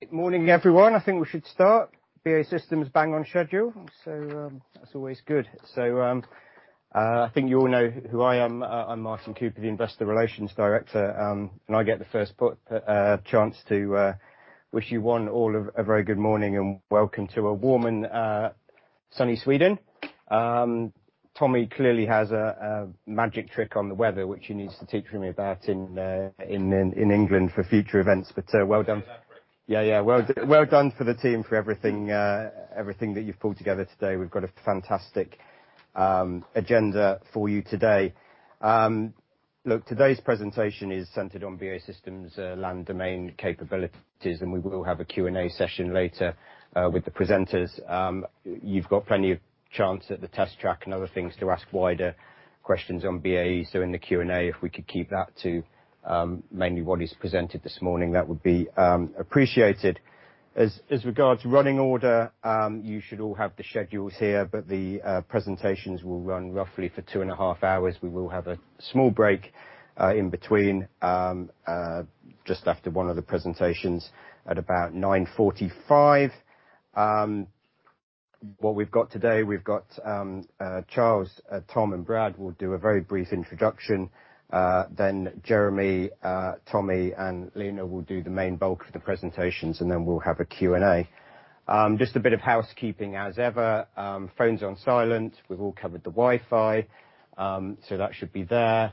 Good morning, everyone. I think we should start. BAE Systems bang on schedule, that's always good. I think you all know who I am. I'm Martin Cooper, the Investor Relations Director, and I get the first chance to wish you one all a very good morning, and welcome to a warm and sunny Sweden. Tommy clearly has a magic trick on the weather, which he needs to teach me about in England for future events. Well done. Yeah, yeah. Well done for the team, for everything that you've pulled together today. We've got a fantastic agenda for you today. Look, today's presentation is centered on BAE Systems' land domain capabilities, and we will have a Q&A session later with the presenters. You've got plenty of chance at the test track and other things to ask wider questions on BAE. In the Q&A, if we could keep that to mainly what is presented this morning, that would be appreciated. As regards running order, you should all have the schedules here, the presentations will run roughly for 2.5 hours. We will have a small break in between just after one of the presentations at about 9:45 A.M. What we've got today, we've got Charles, Tom, and Brad will do a very brief introduction. Jeremy, Tommy, and Lena will do the main bulk of the presentations, and then we'll have a Q&A. Just a bit of housekeeping as ever. Phones on silent. We've all covered the Wi-Fi, that should be there.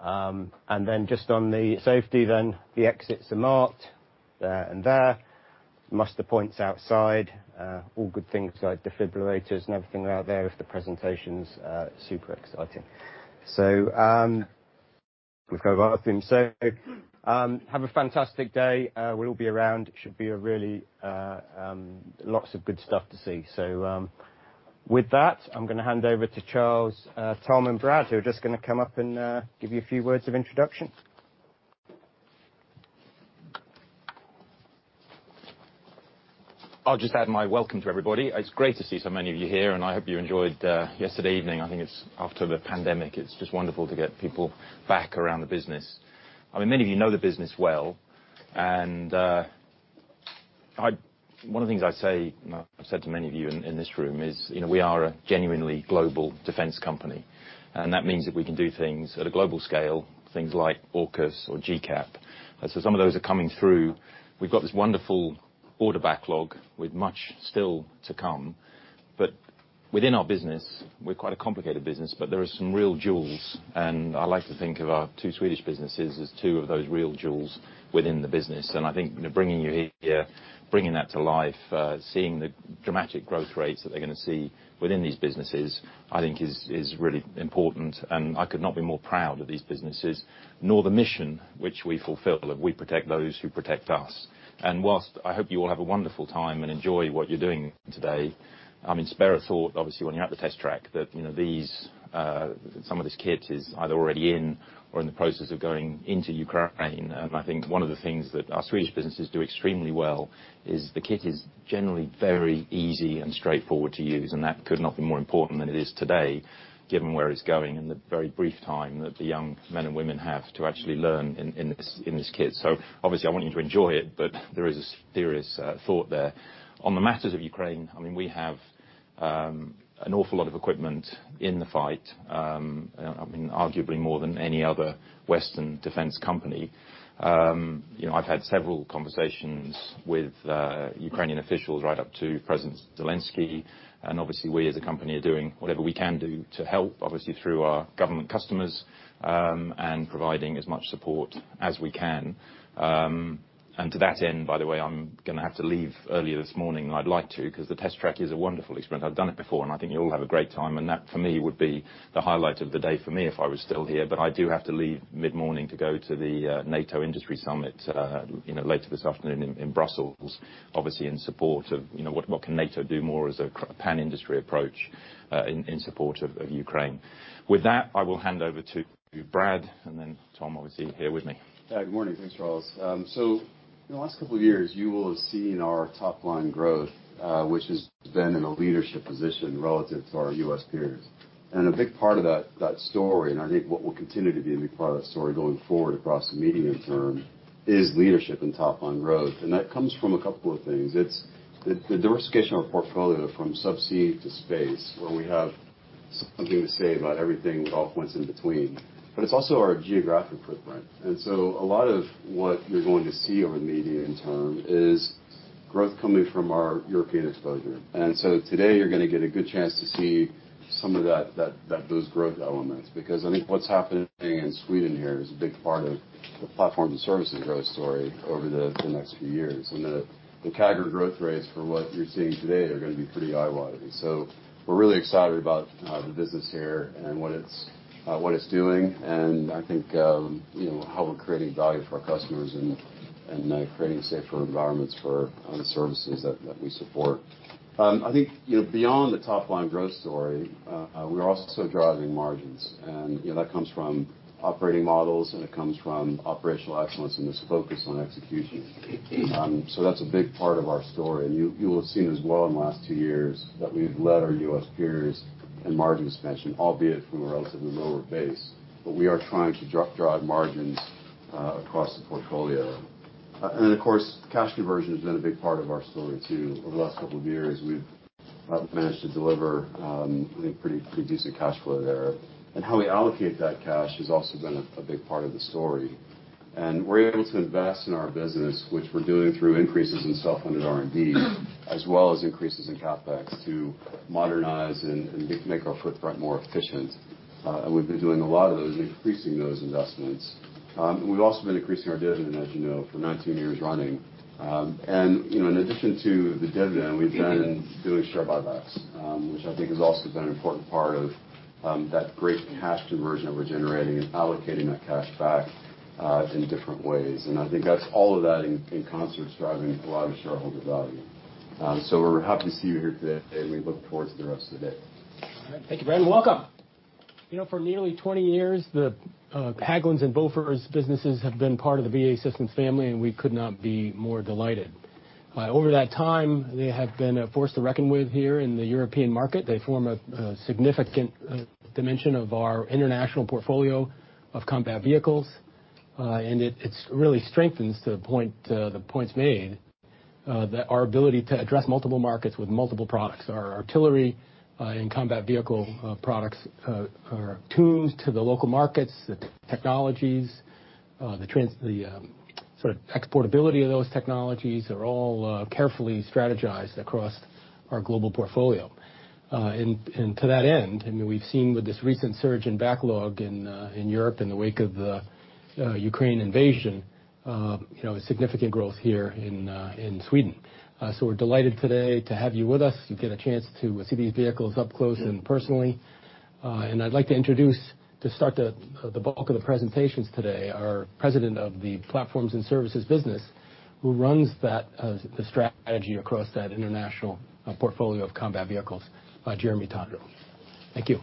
Just on the safety, the exits are marked there and there. Muster point's outside. All good things, like defibrillators and everything are out there, if the presentation's super exciting. We've covered everything. Have a fantastic day. We'll all be around. It should be a really. Lots of good stuff to see. With that, I'm gonna hand over to Charles, Tom, and Brad, who are just gonna come up and give you a few words of introduction. I'll just add my welcome to everybody. It's great to see so many of you here. I hope you enjoyed yesterday evening. I think it's after the pandemic, it's just wonderful to get people back around the business. I mean, many of you know the business well. One of the things I'd say, and I've said to many of you in this room, is, you know, we are a genuinely global defense company. That means that we can do things at a global scale, things like AUKUS or GCAP. Some of those are coming through. We've got this wonderful order backlog with much still to come. Within our business, we're quite a complicated business, but there are some real jewels. I like to think of our two Swedish businesses as two of those real jewels within the business. I think bringing you here, bringing that to life, seeing the dramatic growth rates that they're gonna see within these businesses, I think is really important. I could not be more proud of these businesses, nor the mission which we fulfill, that we protect those who protect us. Whilst I hope you all have a wonderful time and enjoy what you're doing today, I mean, spare a thought, obviously, when you're at the test track, that, you know, these, some of this kit is either already in or in the process of going into Ukraine. I think one of the things that our Swedish businesses do extremely well, is the kit is generally very easy and straightforward to use, and that could not be more important than it is today, given where it's going and the very brief time that the young men and women have to actually learn in this kit. Obviously, I want you to enjoy it, but there is a serious thought there. On the matters of Ukraine, I mean, we have an awful lot of equipment in the fight. I mean, arguably more than any other Western defense company. You know, I've had several conversations with Ukrainian officials, right up to President Zelenskyy. Obviously, we, as a company, are doing whatever we can do to help, obviously, through our government customers, and providing as much support as we can. To that end, by the way, I'm gonna have to leave earlier this morning than I'd like to, 'cause the test track is a wonderful experience. I've done it before, and I think you'll all have a great time, and that, for me, would be the highlight of the day for me if I was still here. I do have to leave mid-morning to go to the NATO Industry Summit, you know, later this afternoon in Brussels, obviously in support of, you know, what can NATO do more as a pan-industry approach, in support of Ukraine. With that, I will hand over to Brad and then Tom, obviously, here with me. Good morning. Thanks, Charles. In the last couple of years, you will have seen our top-line growth, which has been in a leadership position relative to our U.S. peers. A big part of that story, and I think what will continue to be a big part of that story going forward across the medium term, is leadership and top-line growth. That comes from a couple of things. It's the diversification of our portfolio from subsea to space, where we have something to say about everything with all points in between, but it's also our geographic footprint. A lot of what you're going to see over the medium term is growth coming from our European exposure. Today, you're gonna get a good chance to see some of that, those growth elements, because I think what's happening in Sweden here is a big part of the platform to services growth story over the next few years. The CAGR growth rates for what you're seeing today are gonna be pretty eye-watering. We're really excited about the business here and what it's doing, and I think, you know, how we're creating value for our customers and creating safer environments for the services that we support. I think, you know, beyond the top-line growth story, we're also driving margins, and, you know, that comes from operating models, and it comes from operational excellence and this focus on execution. That's a big part of our story. You will have seen as well in the last two years that we've led our U.S. peers in margin expansion, albeit from a relatively lower base. We are trying to drive margins across the portfolio. Of course, cash conversion has been a big part of our story, too. Over the last couple of years, we've. We've managed to deliver, I think, pretty decent cash flow there. How we allocate that cash has also been a big part of the story. We're able to invest in our business, which we're doing through increases in self-funded R&D, as well as increases in CapEx to modernize and make our footprint more efficient. We've been doing a lot of those, increasing those investments. We've also been increasing our dividend, as you know, for 19 years running. In addition to the dividend, we've been doing share buybacks, which I think has also been an important part of that great cash conversion that we're generating and allocating that cash back in different ways. I think that's all of that in concert, is driving a lot of shareholder value. We're happy to see you here today, and we look forward to the rest of the day. All right. Thank you, Brad, and welcome! You know, for nearly 20 years, the Hägglunds and Bofors businesses have been part of the BAE Systems family, and we could not be more delighted. Over that time, they have been a force to reckon with here in the European market. They form a significant dimension of our international portfolio of combat vehicles, and it really strengthens the point, the points made, that our ability to address multiple markets with multiple products. Our artillery and combat vehicle products are tuned to the local markets, the technologies, the sort of exportability of those technologies are all carefully strategized across our global portfolio. To that end, I mean, we've seen with this recent surge in backlog in Europe, in the wake of the Ukraine invasion, you know, a significant growth here in Sweden. We're delighted today to have you with us and get a chance to see these vehicles up close and personally. I'd like to introduce, to start the bulk of the presentations today, our President of the Platforms & Services business, who runs that, the strategy across that international portfolio of combat vehicles, Jeremy Tondreault. Thank you.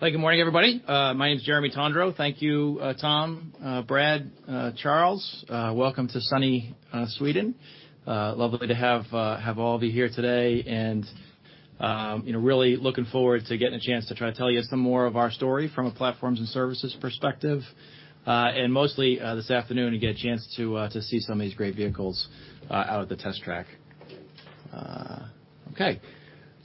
Thank you. Hey, good morning, everybody. My name is Jeremy Tondreault. Thank you, Tom, Brad, Charles. Welcome to sunny Sweden. Lovely to have all of you here today and, you know, really looking forward to getting a chance to try to tell you some more of our story from a Platforms & Services perspective, and mostly, this afternoon, you get a chance to see some of these great vehicles out at the test track. Okay.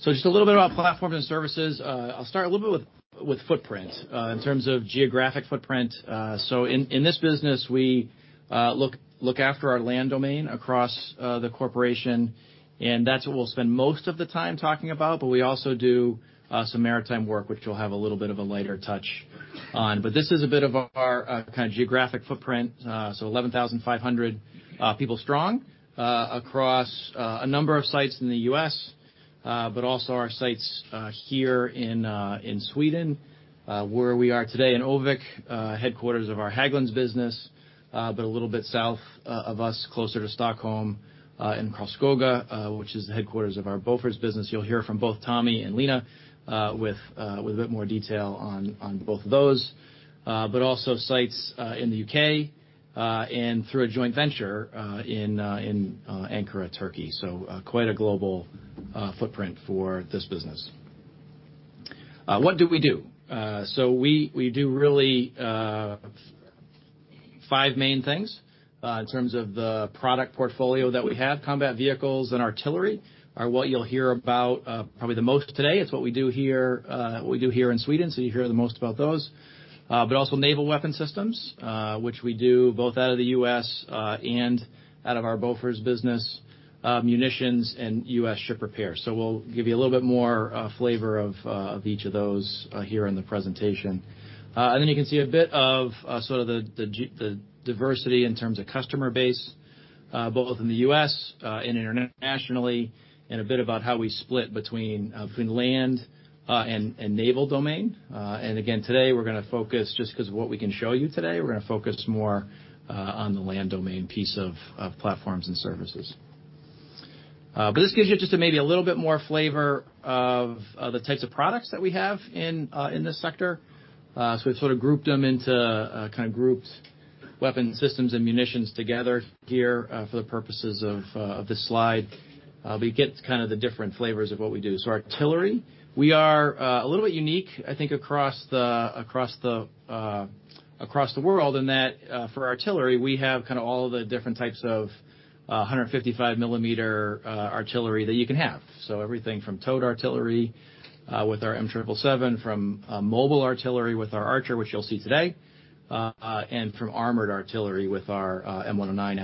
Just a little bit about Platforms & Services. I'll start a little bit with footprint in terms of geographic footprint. In this business, we look after our land domain across the corporation, and that's what we'll spend most of the time talking about. We also do some maritime work, which we'll have a little bit of a lighter touch on. This is a bit of our kind of geographic footprint. 11,500 people strong across a number of sites in the U.S., but also our sites here in Sweden, where we are today in Örnsköldsvik, headquarters of our Hägglunds business, but a little bit south of us, closer to Stockholm, in Karlskoga, which is the headquarters of our Bofors business. You'll hear from both Tommy and Lena with a bit more detail on both of those. Also sites in the U.K. and through a joint venture in Ankara, Turkey. Quite a global footprint for this business. What do we do? We, we do really five main things in terms of the product portfolio that we have. Combat vehicles and artillery are what you'll hear about probably the most today. It's what we do here, what we do here in Sweden, so you hear the most about those. Also naval weapon systems, which we do both out of the U.S. and out of our Bofors business, munitions, and U.S. ship repairs. We'll give you a little bit more flavor of each of those here in the presentation. Then you can see a bit of sort of the diversity in terms of customer base, both in the U.S. and internationally, and a bit about how we split between land and naval domain. Again, today, we're gonna focus just because of what we can show you today, we're gonna focus more on the land domain piece of Platforms & Services. This gives you just maybe a little bit more flavor of the types of products that we have in this sector. We've sort of grouped them into kind of grouped weapon systems and munitions together here for the purposes of this slide. You get kind of the different flavors of what we do. Artillery, we are a little bit unique, I think, across the world, in that for artillery, we have kind of all the different types of 155 mm artillery that you can have. Everything from towed artillery with our M777, from mobile artillery with our ARCHER, which you'll see today, and from armored artillery with our M109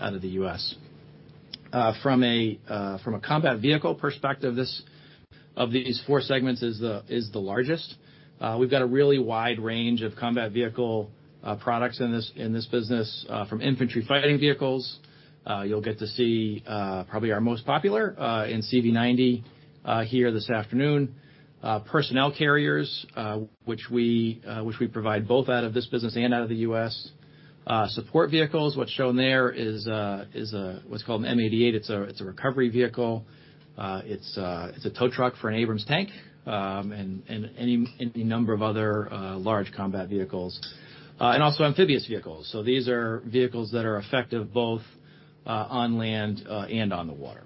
out of the U.S. From a combat vehicle perspective, this, of these four segments is the largest. We've got a really wide range of combat vehicle products in this business, from infantry fighting vehicles. You'll get to see probably our most popular in CV90 here this afternoon. Personnel carriers, which we provide both out of this business and out of the U.S. Support vehicles, what's shown there is what's called an M88. It's a recovery vehicle. It's a tow truck for an Abrams tank, and any number of other large combat vehicles, and also amphibious vehicles. These are vehicles that are effective both on land and on the water.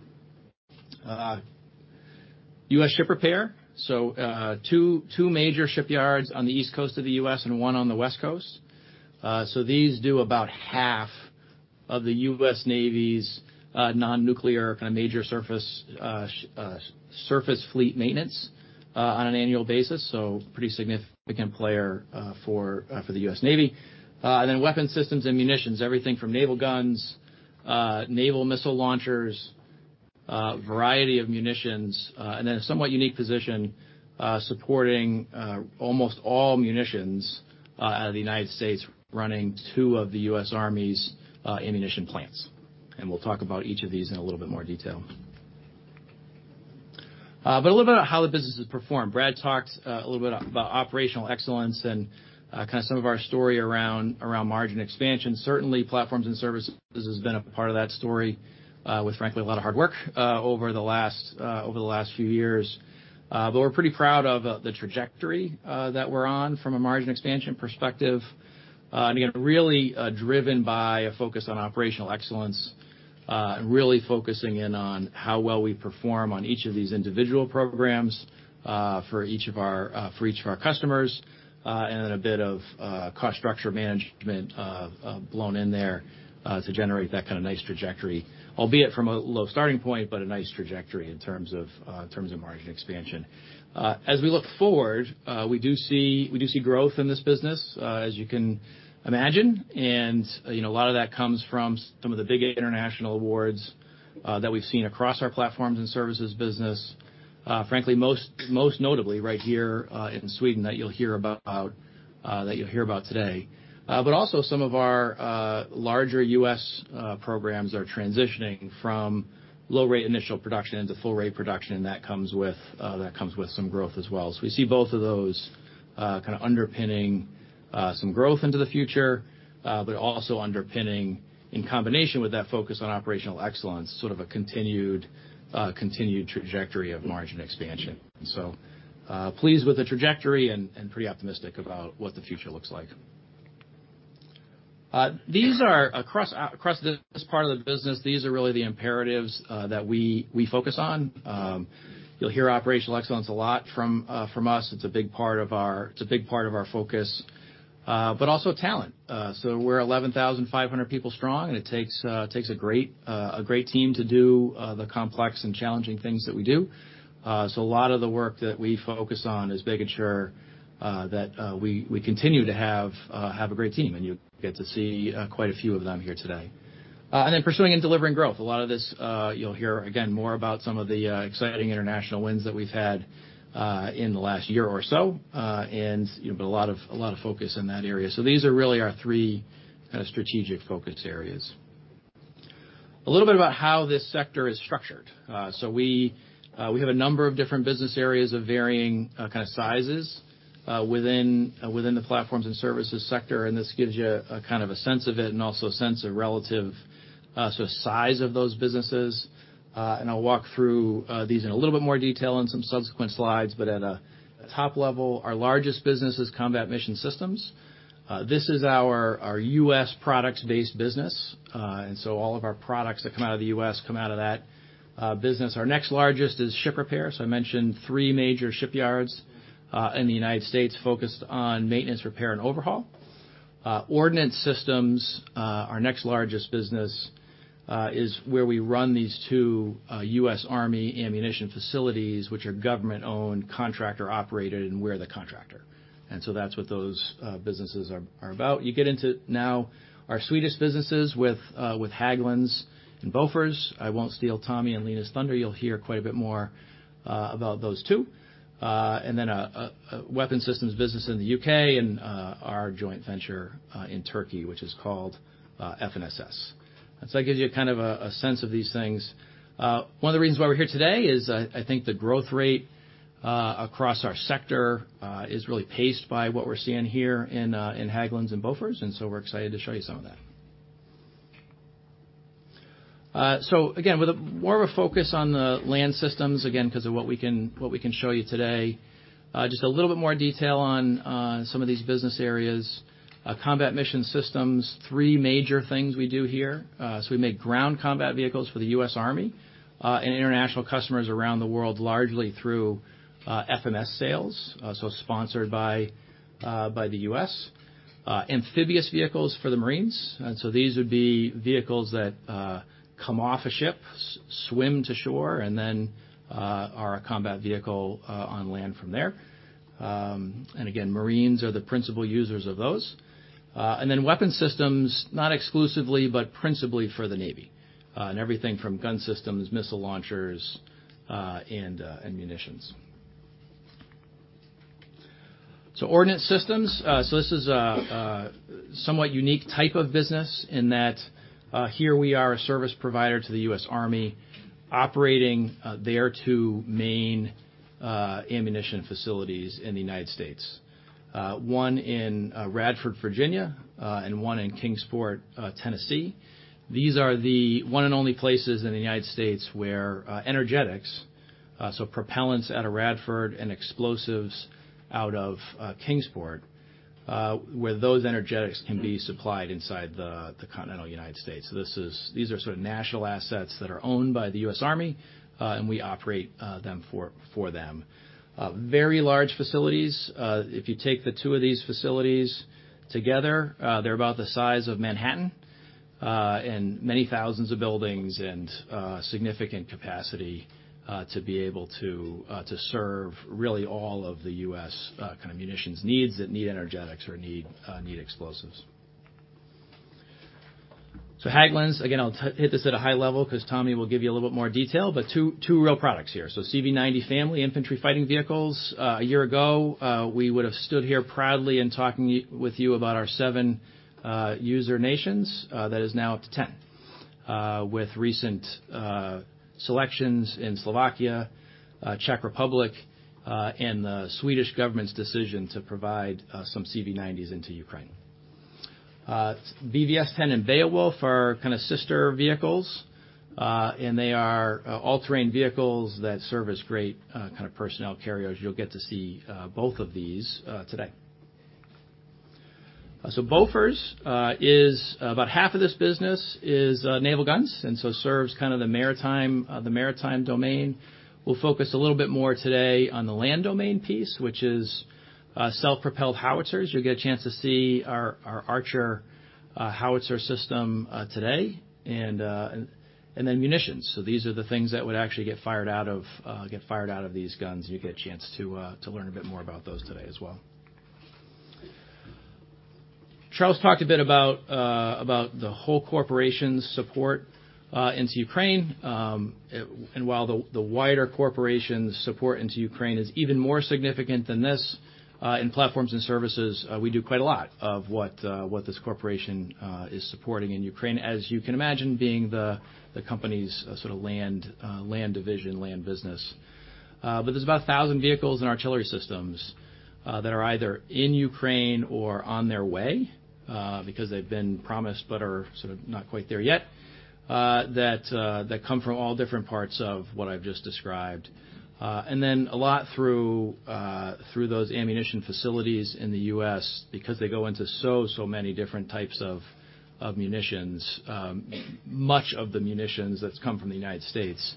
U.S. Ship Repair. Two major shipyards on the East Coast of the U.S. and one on the West Coast. These do about half of the U.S. Navy's non-nuclear, major surface fleet maintenance on an annual basis, pretty significant player for the U.S. Navy. Then Weapon Systems and Munitions, everything from naval guns, naval missile launchers, a variety of munitions, and then a somewhat unique position, supporting almost all munitions out of the United States, running two of the U.S. Army's ammunition plants. We'll talk about each of these in a little bit more detail. A little bit about how the business has performed. Brad talked a little bit about operational excellence and kind of some of our story around margin expansion. Certainly, Platforms & Services has been a part of that story, with, frankly, a lot of hard work over the last over the last few years. We're pretty proud of the trajectory that we're on from a margin expansion perspective. Again, really driven by a focus on operational excellence, and really focusing in on how well we perform on each of these individual programs for each of our customers, and then a bit of cost structure management blown in there to generate that kind of nice trajectory, albeit from a low starting point, but a nice trajectory in terms of margin expansion. As we look forward, we do see growth in this business, as you can imagine, and, you know, a lot of that comes from some of the big international awards that we've seen across our Platforms & Services business. Frankly, most notably, right here in Sweden, that you'll hear about today. Also some of our larger U.S. programs are transitioning from low rate initial production into full rate production, and that comes with some growth as well. We see both of those kind of underpinning some growth into the future, but also underpinning in combination with that focus on operational excellence, sort of a continued trajectory of margin expansion. Pleased with the trajectory and pretty optimistic about what the future looks like. These are across this part of the business, these are really the imperatives that we focus on. You'll hear operational excellence a lot from us. It's a big part of our focus, but also talent. We're 11,500 people strong, and it takes a great team to do the complex and challenging things that we do. A lot of the work that we focus on is making sure that we continue to have a great team, and you'll get to see quite a few of them here today. Pursuing and delivering growth. A lot of this, you'll hear again, more about some of the exciting international wins that we've had in the last year or so, and, you know, a lot of focus in that area. These are really our three kind of strategic focus areas. A little bit about how this sector is structured. We have a number of different business areas of varying, kind of sizes, within the Platforms & Services sector, and this gives you a kind of a sense of it, and also a sense of relative size of those businesses. I'll walk through these in a little bit more detail on some subsequent slides, but at a top level, our largest business is Combat Mission Systems. This is our U.S. product-based business, all of our products that come out of the U.S. come out of that business. Our next largest is Ship Repair. I mentioned three major shipyards, in the United States, focused on maintenance, repair, and overhaul. Ordnance Systems, our next largest business, is where we run these two U.S. Army ammunition facilities, which are government-owned, contractor-operated, and we're the contractor. That's what those businesses are about. You get into now our Swedish businesses with Hägglunds and Bofors. I won't steal Tommy and Lina's thunder. You'll hear quite a bit more about those two. Then a weapon systems business in the U.K. and our joint venture in Turkey, which is called FNSS. That gives you kind of a sense of these things. One of the reasons why we're here today is, I think the growth rate, across our sector, is really paced by what we're seeing here in Hägglunds and Bofors. We're excited to show you some of that. Again, with a more of a focus on the Land Systems, again, because of what we can show you today, just a little bit more detail on, some of these business areas. Combat Mission Systems, three major things we do here. We make ground combat vehicles for the U.S. Army, and international customers around the world, largely through FMS sales, sponsored by the U.S. Amphibious vehicles for the Marines, these would be vehicles that come off a ship, swim to shore, and then are a combat vehicle on land from there. Again, Marines are the principal users of those. Weapon systems, not exclusively, but principally for the Navy, and everything from gun systems, missile launchers, and munitions. Ordnance Systems, this is a somewhat unique type of business in that here we are, a service provider to the U.S. Army, operating their two main ammunition facilities in the United States. One in Radford, Virginia, and one in Kingsport, Tennessee. These are the one and only places in the United States where energetics, so propellants out of Radford and explosives out of Kingsport, where those energetics can be supplied inside the continental United States. These are sort of national assets that are owned by the U.S. Army, and we operate them for them. Very large facilities. If you take the two of these facilities together, they're about the size of Manhattan, and many thousands of buildings and significant capacity to be able to serve really all of the U.S. kind of munitions needs that need energetics or need explosives. Hägglunds, again, I'll hit this at a high level because Tommy will give you a little bit more detail, but two real products here. CV90 Family Infantry Fighting Vehicles. A year ago, we would have stood here proudly in talking with you about our seven user nations. That is now up to 10 with recent selections in Slovakia, Czech Republic, and the Swedish government's decision to provide some CV90s into Ukraine. BvS10 and Beowulf are kind of sister vehicles, and they are all-terrain vehicles that serve as great kind of personnel carriers. You'll get to see both of these today. Bofors is about half of this business is naval guns, and so serves kind of the maritime domain. We'll focus a little bit more today on the land domain piece, which is self-propelled howitzers. You'll get a chance to see our Archer howitzer system today, and then munitions. These are the things that would actually get fired out of these guns. You'll get a chance to learn a bit more about those today as well. Charles talked a bit about the whole corporation's support into Ukraine, and while the wider corporation's support into Ukraine is even more significant than this, in Platforms & Services, we do quite a lot of what this corporation is supporting in Ukraine. As you can imagine, being the company's sort of land division, land business. There's about 1,000 vehicles and artillery systems that are either in Ukraine or on their way, because they've been promised but are sort of not quite there yet, that come from all different parts of what I've just described. A lot through those ammunition facilities in the U.S., because they go into so many different types of munitions. Much of the munitions that's come from the United States,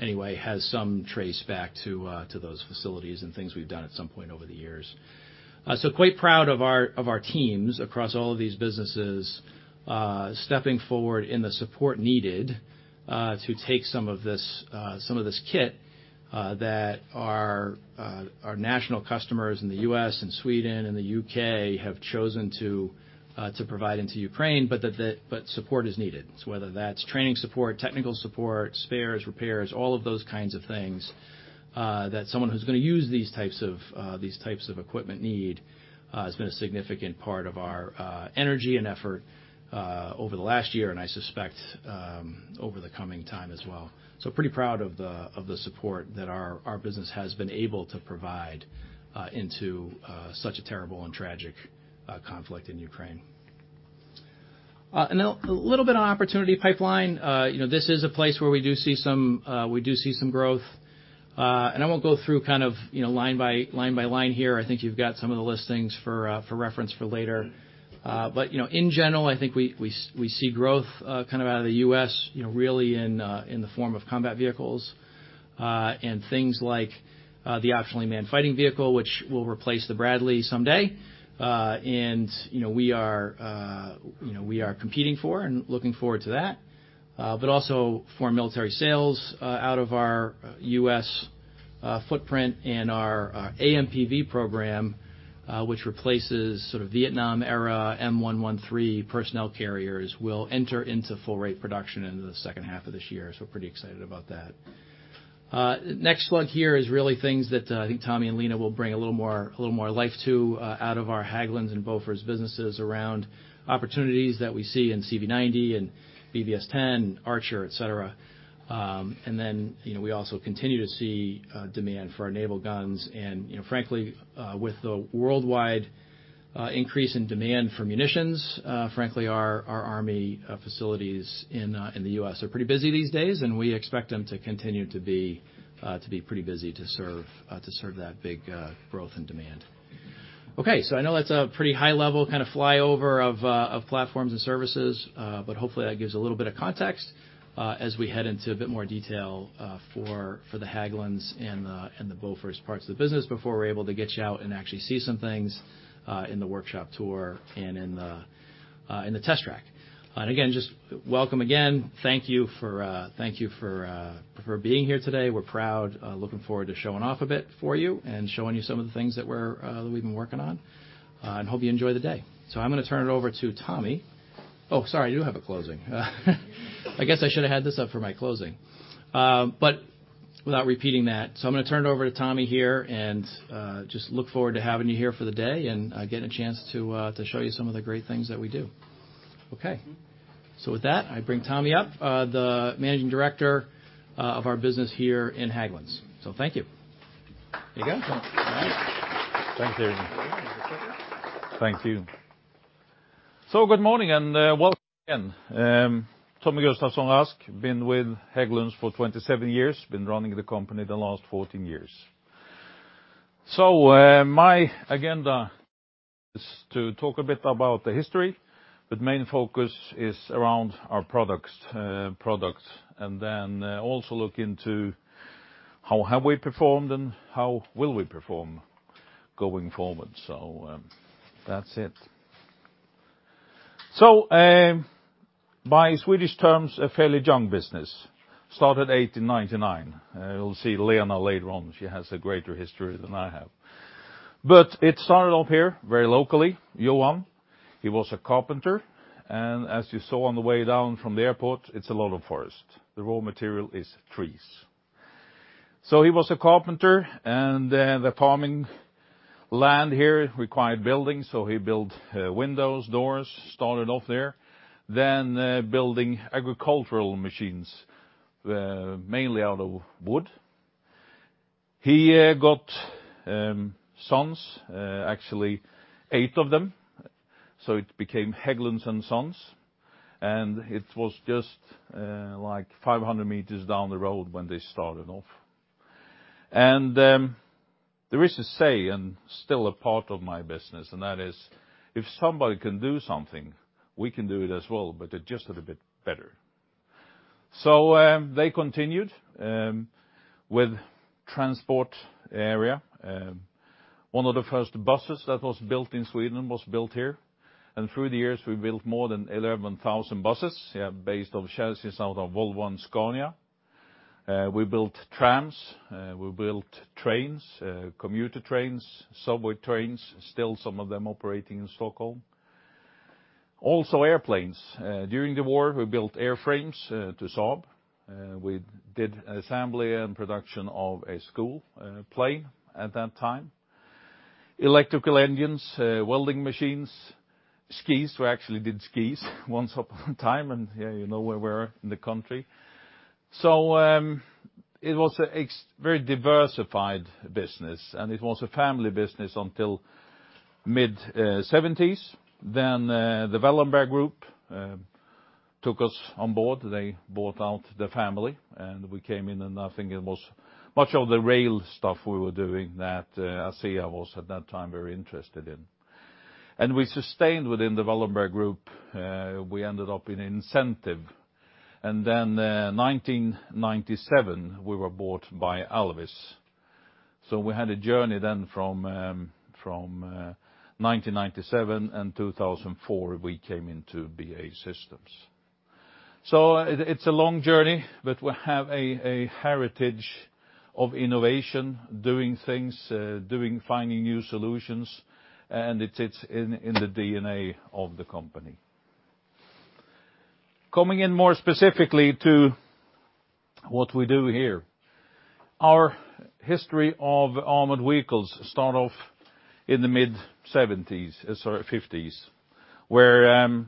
anyway, has some trace back to those facilities and things we've done at some point over the years. Quite proud of our teams across all of these businesses stepping forward in the support needed to take some of this, some of this kit that our national customers in the U.S. and Sweden and the U.K. have chosen to provide into Ukraine, but support is needed. Whether that's training support, technical support, spares, repairs, all of those kinds of things that someone who's gonna use these types of equipment need has been a significant part of our energy and effort over the last year, and I suspect over the coming time as well. Pretty proud of the support that our business has been able to provide into such a terrible and tragic conflict in Ukraine. A little bit on opportunity pipeline. You know, this is a place where we do see some, we do see some growth. I won't go through kind of, you know, line by line by line here. I think you've got some of the listings for reference for later. You know, in general, I think we see growth kind of out of the U.S., you know, really in the form of combat vehicles and things like the Optionally Manned Fighting Vehicle, which will replace the Bradley someday. You know, we are competing for and looking forward to that. Foreign military sales out of our U.S. footprint and our AMPV program which replaces sort of Vietnam-era M113 personnel carriers, will enter into full rate production in the second half of this year. We're pretty excited about that. Next slide here is really things that I think Tommy and Lena will bring a little more life to out of our Hägglunds and Bofors businesses around opportunities that we see in CV90 and BvS10, ARCHER, et cetera. You know, we also continue to see demand for our naval guns and, you know, frankly, with the worldwide increase in demand for munitions, frankly, our U.S. Army facilities in the U.S. are pretty busy these days, and we expect them to continue to be pretty busy to serve that big growth and demand. Okay, I know that's a pretty high level, kind of flyover of Platforms & Services, but hopefully, that gives a little bit of context as we head into a bit more detail for Hägglunds and the Bofors parts of the business before we're able to get you out and actually see some things in the workshop tour and in the test track. Again, just welcome again. Thank you for being here today. We're proud, looking forward to showing off a bit for you and showing you some of the things that we're that we've been working on, and hope you enjoy the day. I'm gonna turn it over to Tommy. Oh, sorry, I do have a closing. I guess I should have had this up for my closing. Without repeating that, I'm gonna turn it over to Tommy here, just look forward to having you here for the day and getting a chance to show you some of the great things that we do. Okay. With that, I bring Tommy up, the managing director of our business here in Hägglunds. Thank you. Here you go. Thank you. Thank you. Good morning, and welcome again. Tommy Gustafsson-Rask, been with Hägglunds for 27 years, been running the company the last 14 years. My agenda is to talk a bit about the history, but main focus is around our products. Also, how have we performed and how will we perform going forward? That's it. By Swedish terms, a fairly young business, started 1899. You'll see Lena later on, she has a greater history than I have. It started off here, very locally, Johan, he was a carpenter, and as you saw on the way down from the airport, it's a lot of forest. The raw material is trees. He was a carpenter, and the farming land here required buildings, so he built windows, doors, started off there, then building agricultural machines, mainly out of wood. He got sons, actually, eight of them, so it became Hägglund & Sons, and it was just like 500 meters down the road when they started off. There is a saying, still a part of my business, and that is, "If somebody can do something, we can do it as well, but just a little bit better." They continued with transport area. One of the first buses that was built in Sweden was built here, and through the years, we've built more than 11,000 buses, yeah, based on chassis out of Volvo and Scania. We built trams, we built trains, commuter trains, subway trains, still some of them operating in Stockholm. Also airplanes. During the war, we built airframes, to Saab, we did assembly and production of a school plane at that time. Electrical engines, welding machines, skis. We actually did skis once upon a time, and, yeah, you know, where we're in the country. It was a very diversified business, and it was a family business until mid-seventies. The Wallenberg Group took us on board. They bought out the family, and we came in, and I think it was much of the rail stuff we were doing that ASEA was, at that time, very interested in. We sustained within the Wallenberg Group, we ended up in Incentive, 1997, we were bought by Alvis. We had a journey from 1997 and 2004, we came into BAE Systems. It's a long journey, but we have a heritage of innovation, finding new solutions, and it's in the DNA of the company. Coming in more specifically to what we do here. Our history of armored vehicles start off in the mid-1970s, sorry, 1950s, where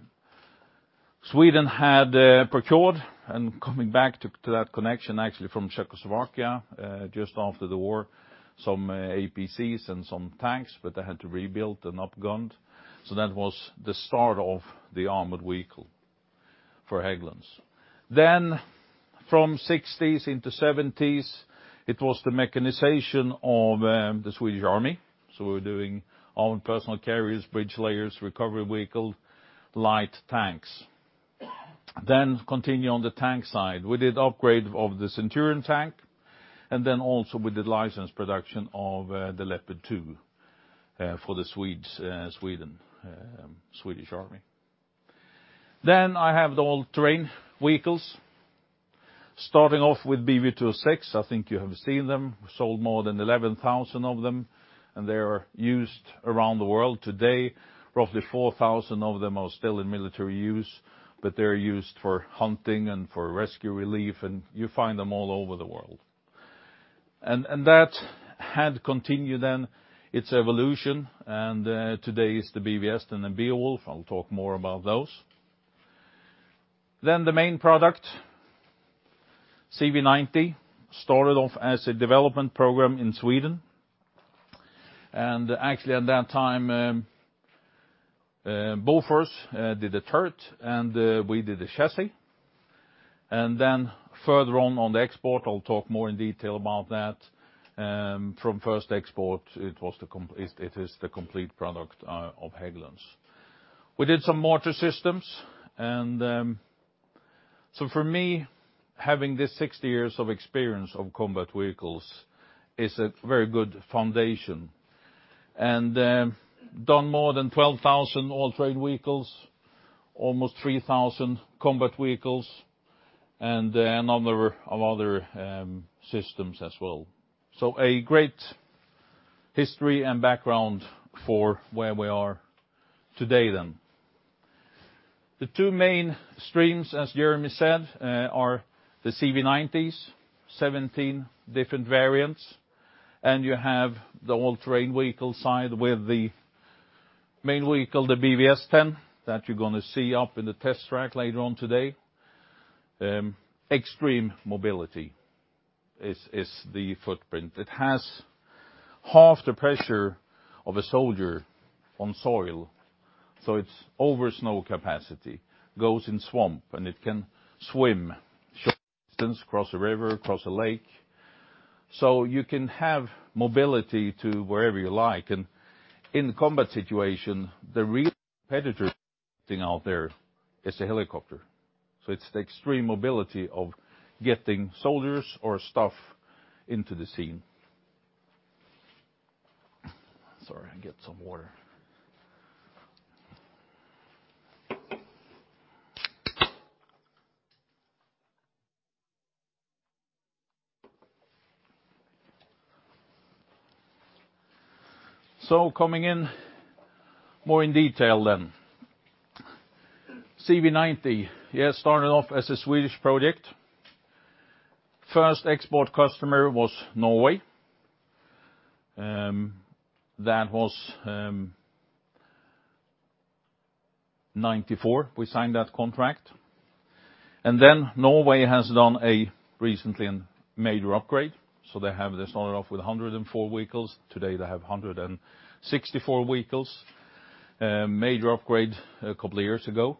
Sweden had procured, and coming back to that connection, actually from Czechoslovakia, just after the war, some APCs and some tanks, but they had to rebuild and upgunned. That was the start of the armored vehicle for Hägglunds. From 1960s into 1970s, it was the mechanization of the Swedish Army. We were doing armored personnel carriers, bridge layers, recovery vehicle, light tanks. Continue on the tank side. We did upgrade of the Centurion tank. Also we did license production of the Leopard 2 for the Swedes, Sweden, Swedish Army. I have the all-terrain vehicles. Starting off with Bv206, I think you have seen them. We sold more than 11,000 of them. They are used around the world. Today, roughly 4,000 of them are still in military use. They're used for hunting and for rescue, relief, you find them all over the world. That had continued then, its evolution. Today is the BvS and the Beowulf. I'll talk more about those. The main product, CV90, started off as a development program in Sweden. Actually, at that time, Bofors did the turret, and we did the chassis. Further on the export, I'll talk more in detail about that. From first export, it is the complete product of Hägglunds. We did some mortar systems, and... For me, having this 60 years of experience of combat vehicles is a very good foundation. Done more than 12,000 all-terrain vehicles, almost 3,000 combat vehicles, and a number of other systems as well. A great history and background for where we are today then. The two main streams, as Jeremy Tondreault said, are the CV90s, 17 different variants, and you have the all-terrain vehicle side with the main vehicle, the BvS10, that you're gonna see up in the test track later on today. Extreme mobility is the footprint. It has half the pressure of a soldier on soil, so it's over snow capacity, goes in swamp, and it can swim short distances across a river, across a lake. You can have mobility to wherever you like, and in combat situation, the real competitor out there is a helicopter. It's the extreme mobility of getting soldiers or staff into the scene. Sorry, I get some water. Coming in more in detail then. CV90, yeah, started off as a Swedish project. First export customer was Norway, that was 1994, we signed that contract. Norway has done a recently an major upgrade, so they started off with 104 vehicles. Today, they have 164 vehicles. Major upgrade a couple of years ago.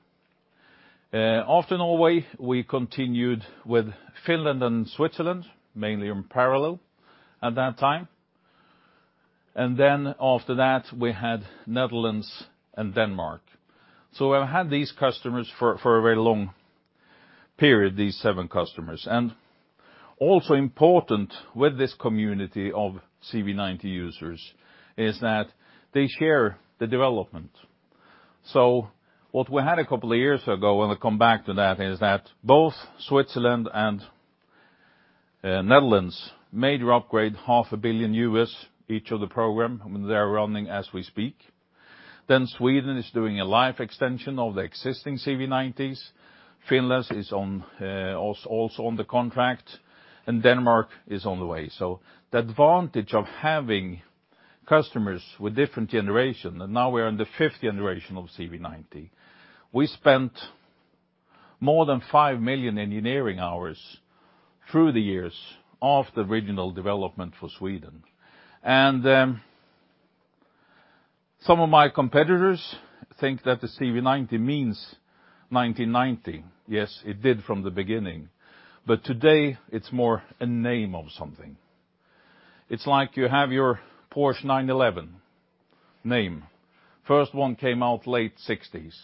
After Norway, we continued with Finland and Switzerland, mainly in parallel at that time. After that, we had Netherlands and Denmark. We've had these customers for a very long period, these seven customers. Also important with this community of CV90 users, is that they share the development. What we had a couple of years ago, and we'll come back to that, is that both Switzerland and Netherlands, major upgrade, $0.5 billion each of the program, and they're running as we speak. Sweden is doing a life extension of the existing CV90s. Finland is also on the contract. Denmark is on the way. The advantage of having customers with different generation, now we're in the fifth generation of CV90. We spent more than 5 million engineering hours through the years of the original development for Sweden. Some of my competitors think that the CV90 means 1990. Yes, it did from the beginning. Today, it's more a name of something. It's like you have your Porsche 911 name. First one came out late 1960s.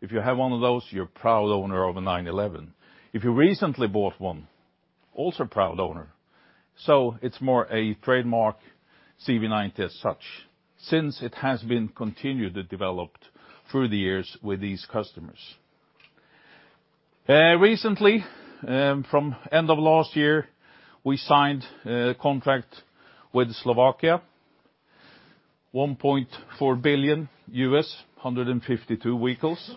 If you have one of those, you're a proud owner of a 911. If you recently bought one, also proud owner. It's more a trademark, CV90 as such, since it has been continually developed through the years with these customers. Recently, from end of last year, we signed a contract with Slovakia, $1.4 billion, 152 vehicles.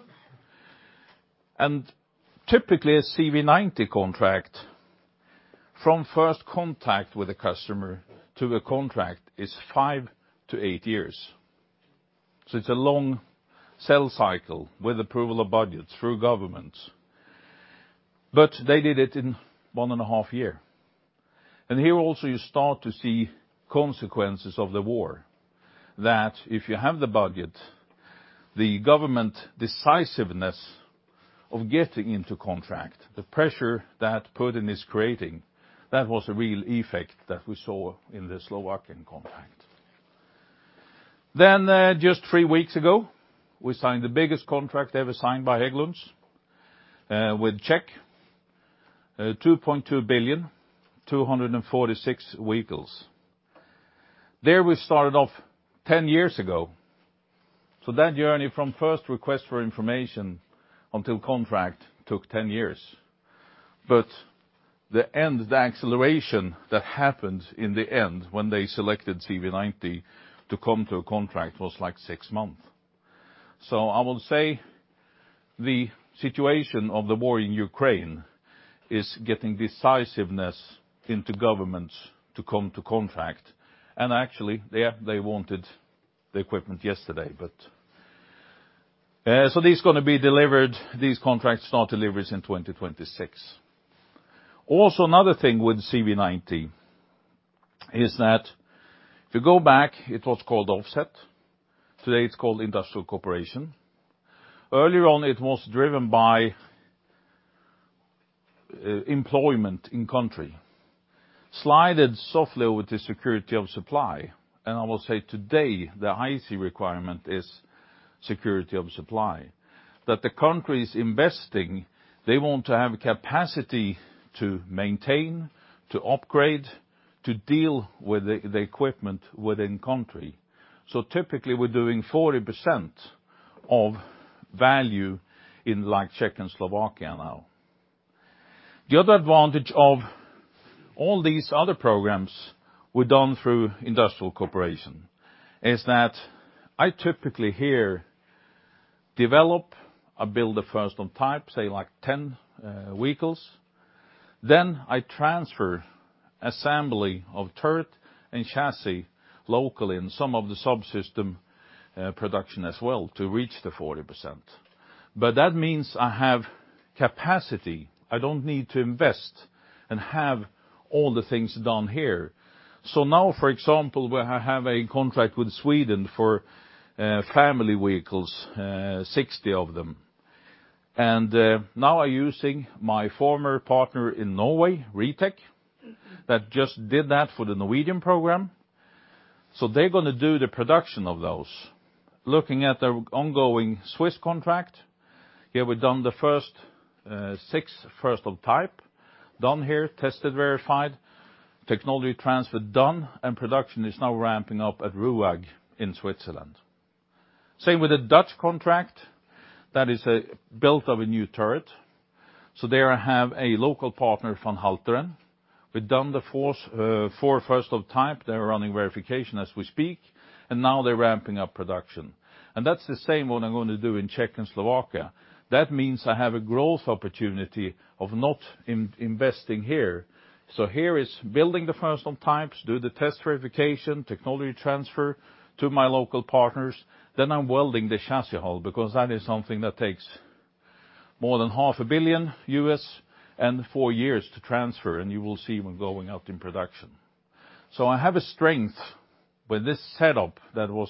Typically, a CV90 contract from first contact with a customer to a contract is 5-8 years. It's a long sales cycle with approval of budgets through governments. They did it in one and a half year. Here also, you start to see consequences of the war, that if you have the budget, the government decisiveness of getting into contract, the pressure that Putin is creating, that was a real effect that we saw in the Slovakian contract. Just three weeks ago, we signed the biggest contract ever signed by Hägglunds, with Czech, $2.2 billion, 246 vehicles. There, we started off 10 years ago, so that journey from first request for information until contract took 10 years. The end, the acceleration that happened in the end when they selected CV90 to come to a contract, was like six months. I will say, the situation of the war in Ukraine is getting decisiveness into governments to come to contract. Actually, they wanted the equipment yesterday, but... These are gonna be delivered, these contracts start deliveries in 2026. Also, another thing with CV90 is that if you go back, it was called Offset. Today, it's called Industrial Corporation. Earlier on, it was driven by, employment in country. Slided softly with the security of supply, and I will say today, the IC requirement is security of supply. The country is investing, they want to have capacity to maintain, to upgrade, to deal with the equipment within country. Typically, we're doing 40% of value in, like, Czech and Slovakia now. The other advantage of all these other programs we've done through industrial corporation, is that I typically here develop or build a first on type, say, like 10 vehicles. I transfer assembly of turret and chassis locally in some of the subsystem production as well to reach the 40%. That means I have capacity. I don't need to invest and have all the things done here. Now, for example, where I have a contract with Sweden for family vehicles, 60 of them. Now I'm using my former partner in Norway, Ritek, that just did that for the Norwegian program. They're going to do the production of those. Looking at the ongoing Swiss contract, here we've done the first, six first of type, done here, tested, verified, technology transfer done, and production is now ramping up at RUAG in Switzerland. Same with the Dutch contract. That is a built of a new turret. There I have a local partner, Van Halteren. We've done the four first of type. They're running verification as we speak, and now they're ramping up production. That's the same what I'm going to do in Czech and Slovakia. That means I have a growth opportunity of not investing here. Here is building the first of types, do the test verification, technology transfer to my local partners. I'm welding the chassis hull, because that is something that takes more than half a billion U.S. and four years to transfer, and you will see when going out in production. I have a strength with this setup that was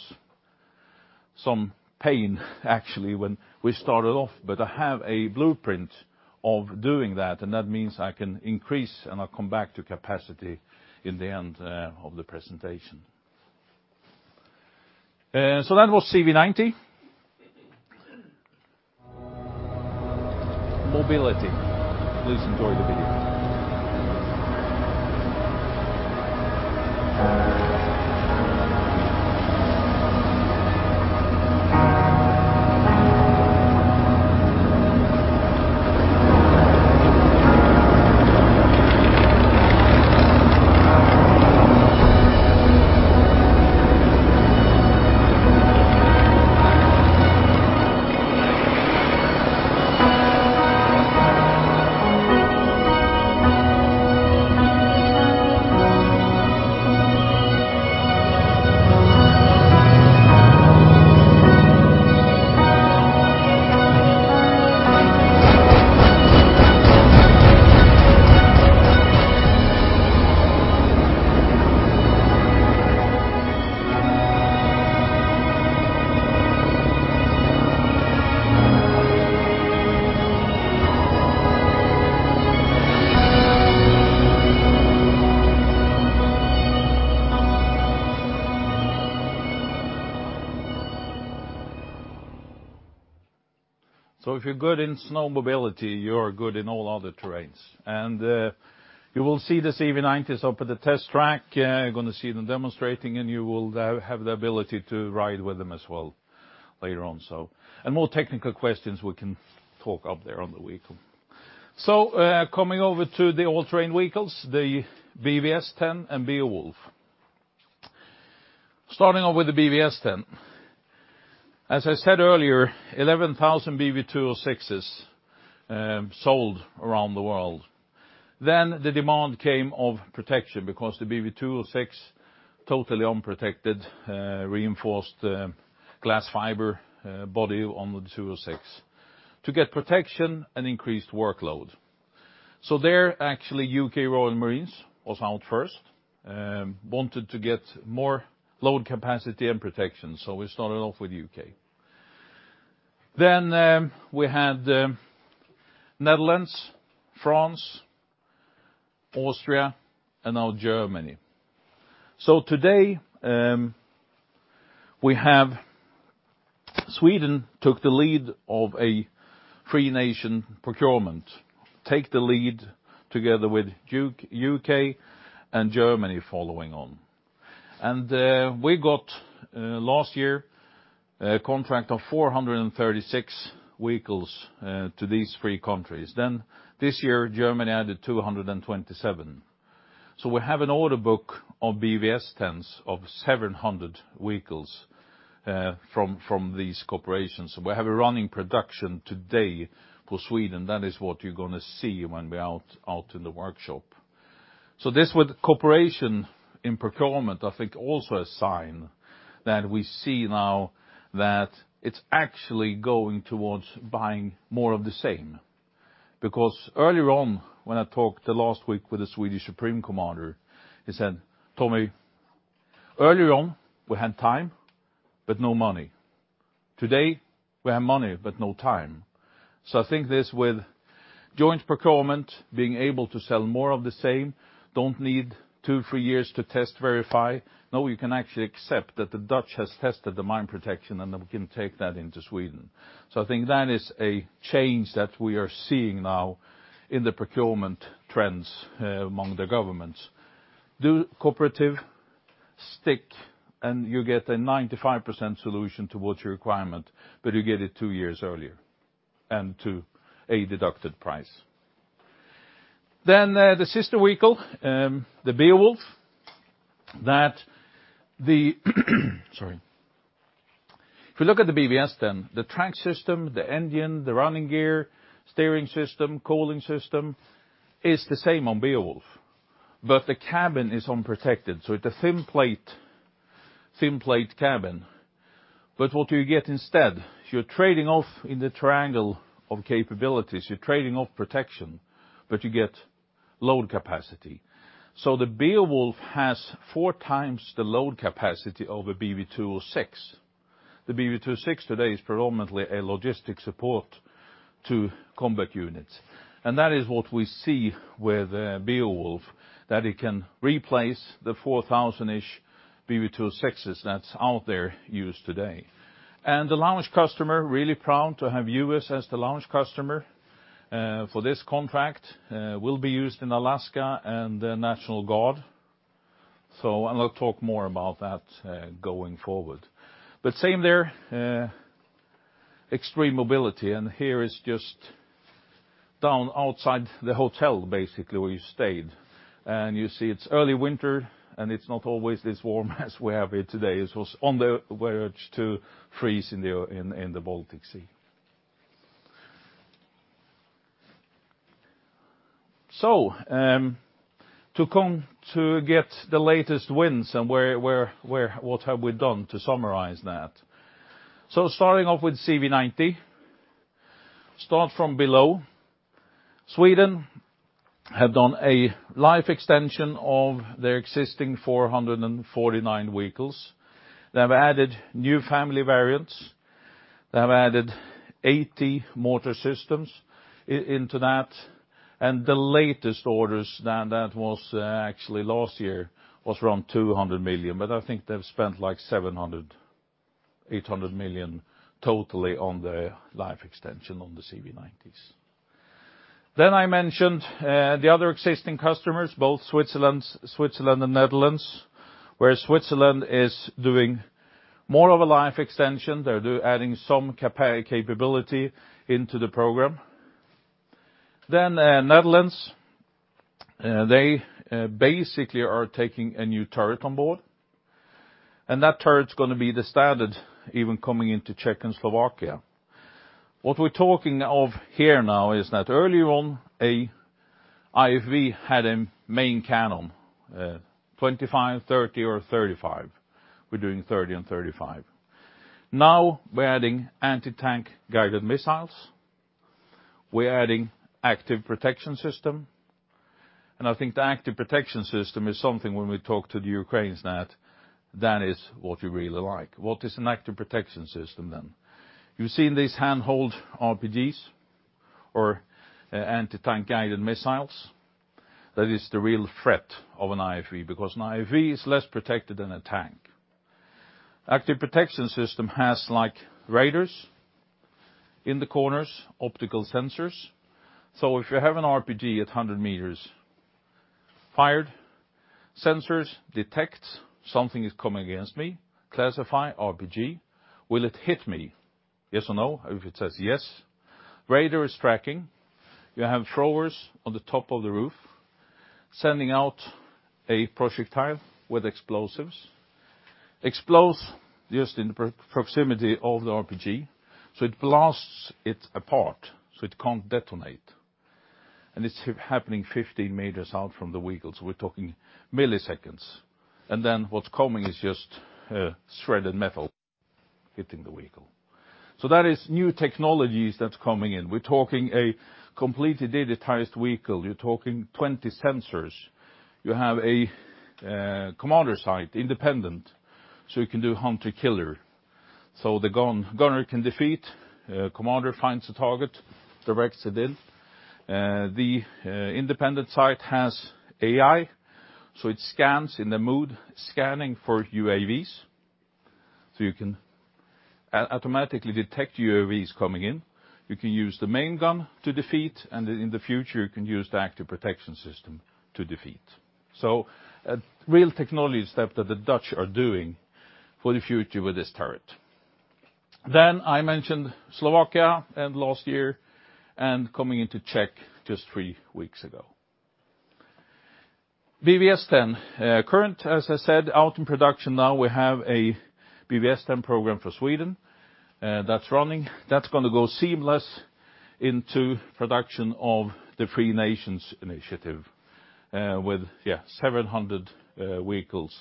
some pain, actually, when we started off, but I have a blueprint of doing that, and that means I can increase, and I'll come back to capacity in the end of the presentation. That was CV90. Mobility. Please enjoy the video. If you're good in snow mobility, you're good in all other terrains. You will see the CV90s up at the test track. You're going to see them demonstrating, and you will have the ability to ride with them as well later on. More technical questions, we can talk up there on the vehicle. Coming over to the all-terrain vehicles, the BvS10 and Beowulf. Starting off with the BvS10, as I said earlier, 11,000 Bv206s sold around the world. The demand came of protection because the Bv206, totally unprotected, reinforced glass fiber body on the 206, to get protection and increased workload. There, actually, U.K. Royal Marines was out first, wanted to get more load capacity and protection. We started off with U.K. We had Netherlands, France, Austria, and now Germany. Today, Sweden took the lead of a free nation procurement. Take the lead together with U.K. and Germany following on. We got last year, a contract of 436 vehicles to these three countries. This year, Germany added 227. We have an order book of BvS10s of 700 vehicles from these corporations. We have a running production today for Sweden. That is what you're going to see when we're out in the workshop. This with cooperation in procurement, I think, also a sign that we see now that it's actually going towards buying more of the same. Earlier on, when I talked last week with the Swedish Supreme Commander, he said, "Tommy, earlier on, we had time, but no money. Today, we have money, but no time." I think this with joint procurement, being able to sell more of the same, don't need two, three years to test, verify. No, you can actually accept that the Dutch has tested the mine protection, and then we can take that into Sweden. I think that is a change that we are seeing now in the procurement trends among the governments. Do cooperative, stick, and you get a 95% solution towards your requirement, but you get it two years earlier and to a deducted price. The sister vehicle, the Beowulf, sorry. If you look at the BvS, the track system, the engine, the running gear, steering system, cooling system is the same on Beowulf, but the cabin is unprotected, so it's a thin plate cabin. What do you get instead? You're trading off in the triangle of capabilities. You're trading off protection, but you get load capacity. The Beowulf has 4x the load capacity over Bv206. The Bv206 today is predominantly a logistic support to combat units, and that is what we see with Beowulf, that it can replace the 4,000-ish Bv206s that's out there used today. The launch customer, really proud to have U.S. as the launch customer for this contract. Will be used in Alaska and the National Guard. I'll talk more about that going forward. Same there, extreme mobility, and here is just down outside the hotel, basically, where we stayed. You see it's early winter, and it's not always this warm as we have it today. It was on the verge to freeze in the Baltic Sea. To come to get the latest wins and where, what have we done to summarize that? Starting off with CV90, start from below. Sweden have done a life extension of their existing 449 vehicles. They have added new family variants. They have added 80 motor systems into that, and the latest orders, and that was actually last year, was around 200 million, but I think they've spent, like, 700 million-800 million totally on the life extension on the CV90s. I mentioned the other existing customers, both Switzerland and Netherlands, where Switzerland is doing more of a life extension. They're adding some capability into the program. Netherlands, they basically are taking a new turret on board, and that turret's gonna be the standard even coming into Czech and Slovakia. What we're talking of here now is that earlier on, a IFV had a main cannon, 25mm, 30mm, or 35mm. We're doing 30mm and 35mm. Now, we're adding anti-tank guided missiles. We're adding active protection system. I think the active protection system is something when we talk to the Ukrainians, that is what we really like. What is an active protection system, then? You've seen these handheld RPGs or anti-tank guided missiles. That is the real threat of an IFV, because an IFV is less protected than a tank. Active protection system has, like, radars in the corners, optical sensors, so if you have an RPG at 100 meters, fired, sensors detect something is coming against me, classify RPG. Will it hit me? Yes or no? If it says yes, radar is tracking. You have throwers on the top of the roof, sending out a projectile with explosives, explodes just in the proximity of the RPG, so it blasts it apart, so it can't detonate. It's happening 15 meters out from the vehicle, so we're talking milliseconds. What's coming is just shredded metal hitting the vehicle. That is new technologies that's coming in. We're talking a completely digitized vehicle. You're talking 20 sensors. You have a commander sight, independent, so you can do hunter-killer. The gunner can defeat, commander finds a target, directs it in. The independent sight has AI, so it scans in the mode, scanning for UAVs, so you can automatically detect UAVs coming in. You can use the main gun to defeat, and in the future, you can use the active protection system to defeat. A real technology step that the Dutch are doing for the future with this turret. I mentioned Slovakia and last year, and coming into Czech just three weeks ago. BvS10. Current, as I said, out in production now, we have a BvS10 program for Sweden that's running. That's going to go seamless into production of the First Nations initiative, with 700 vehicles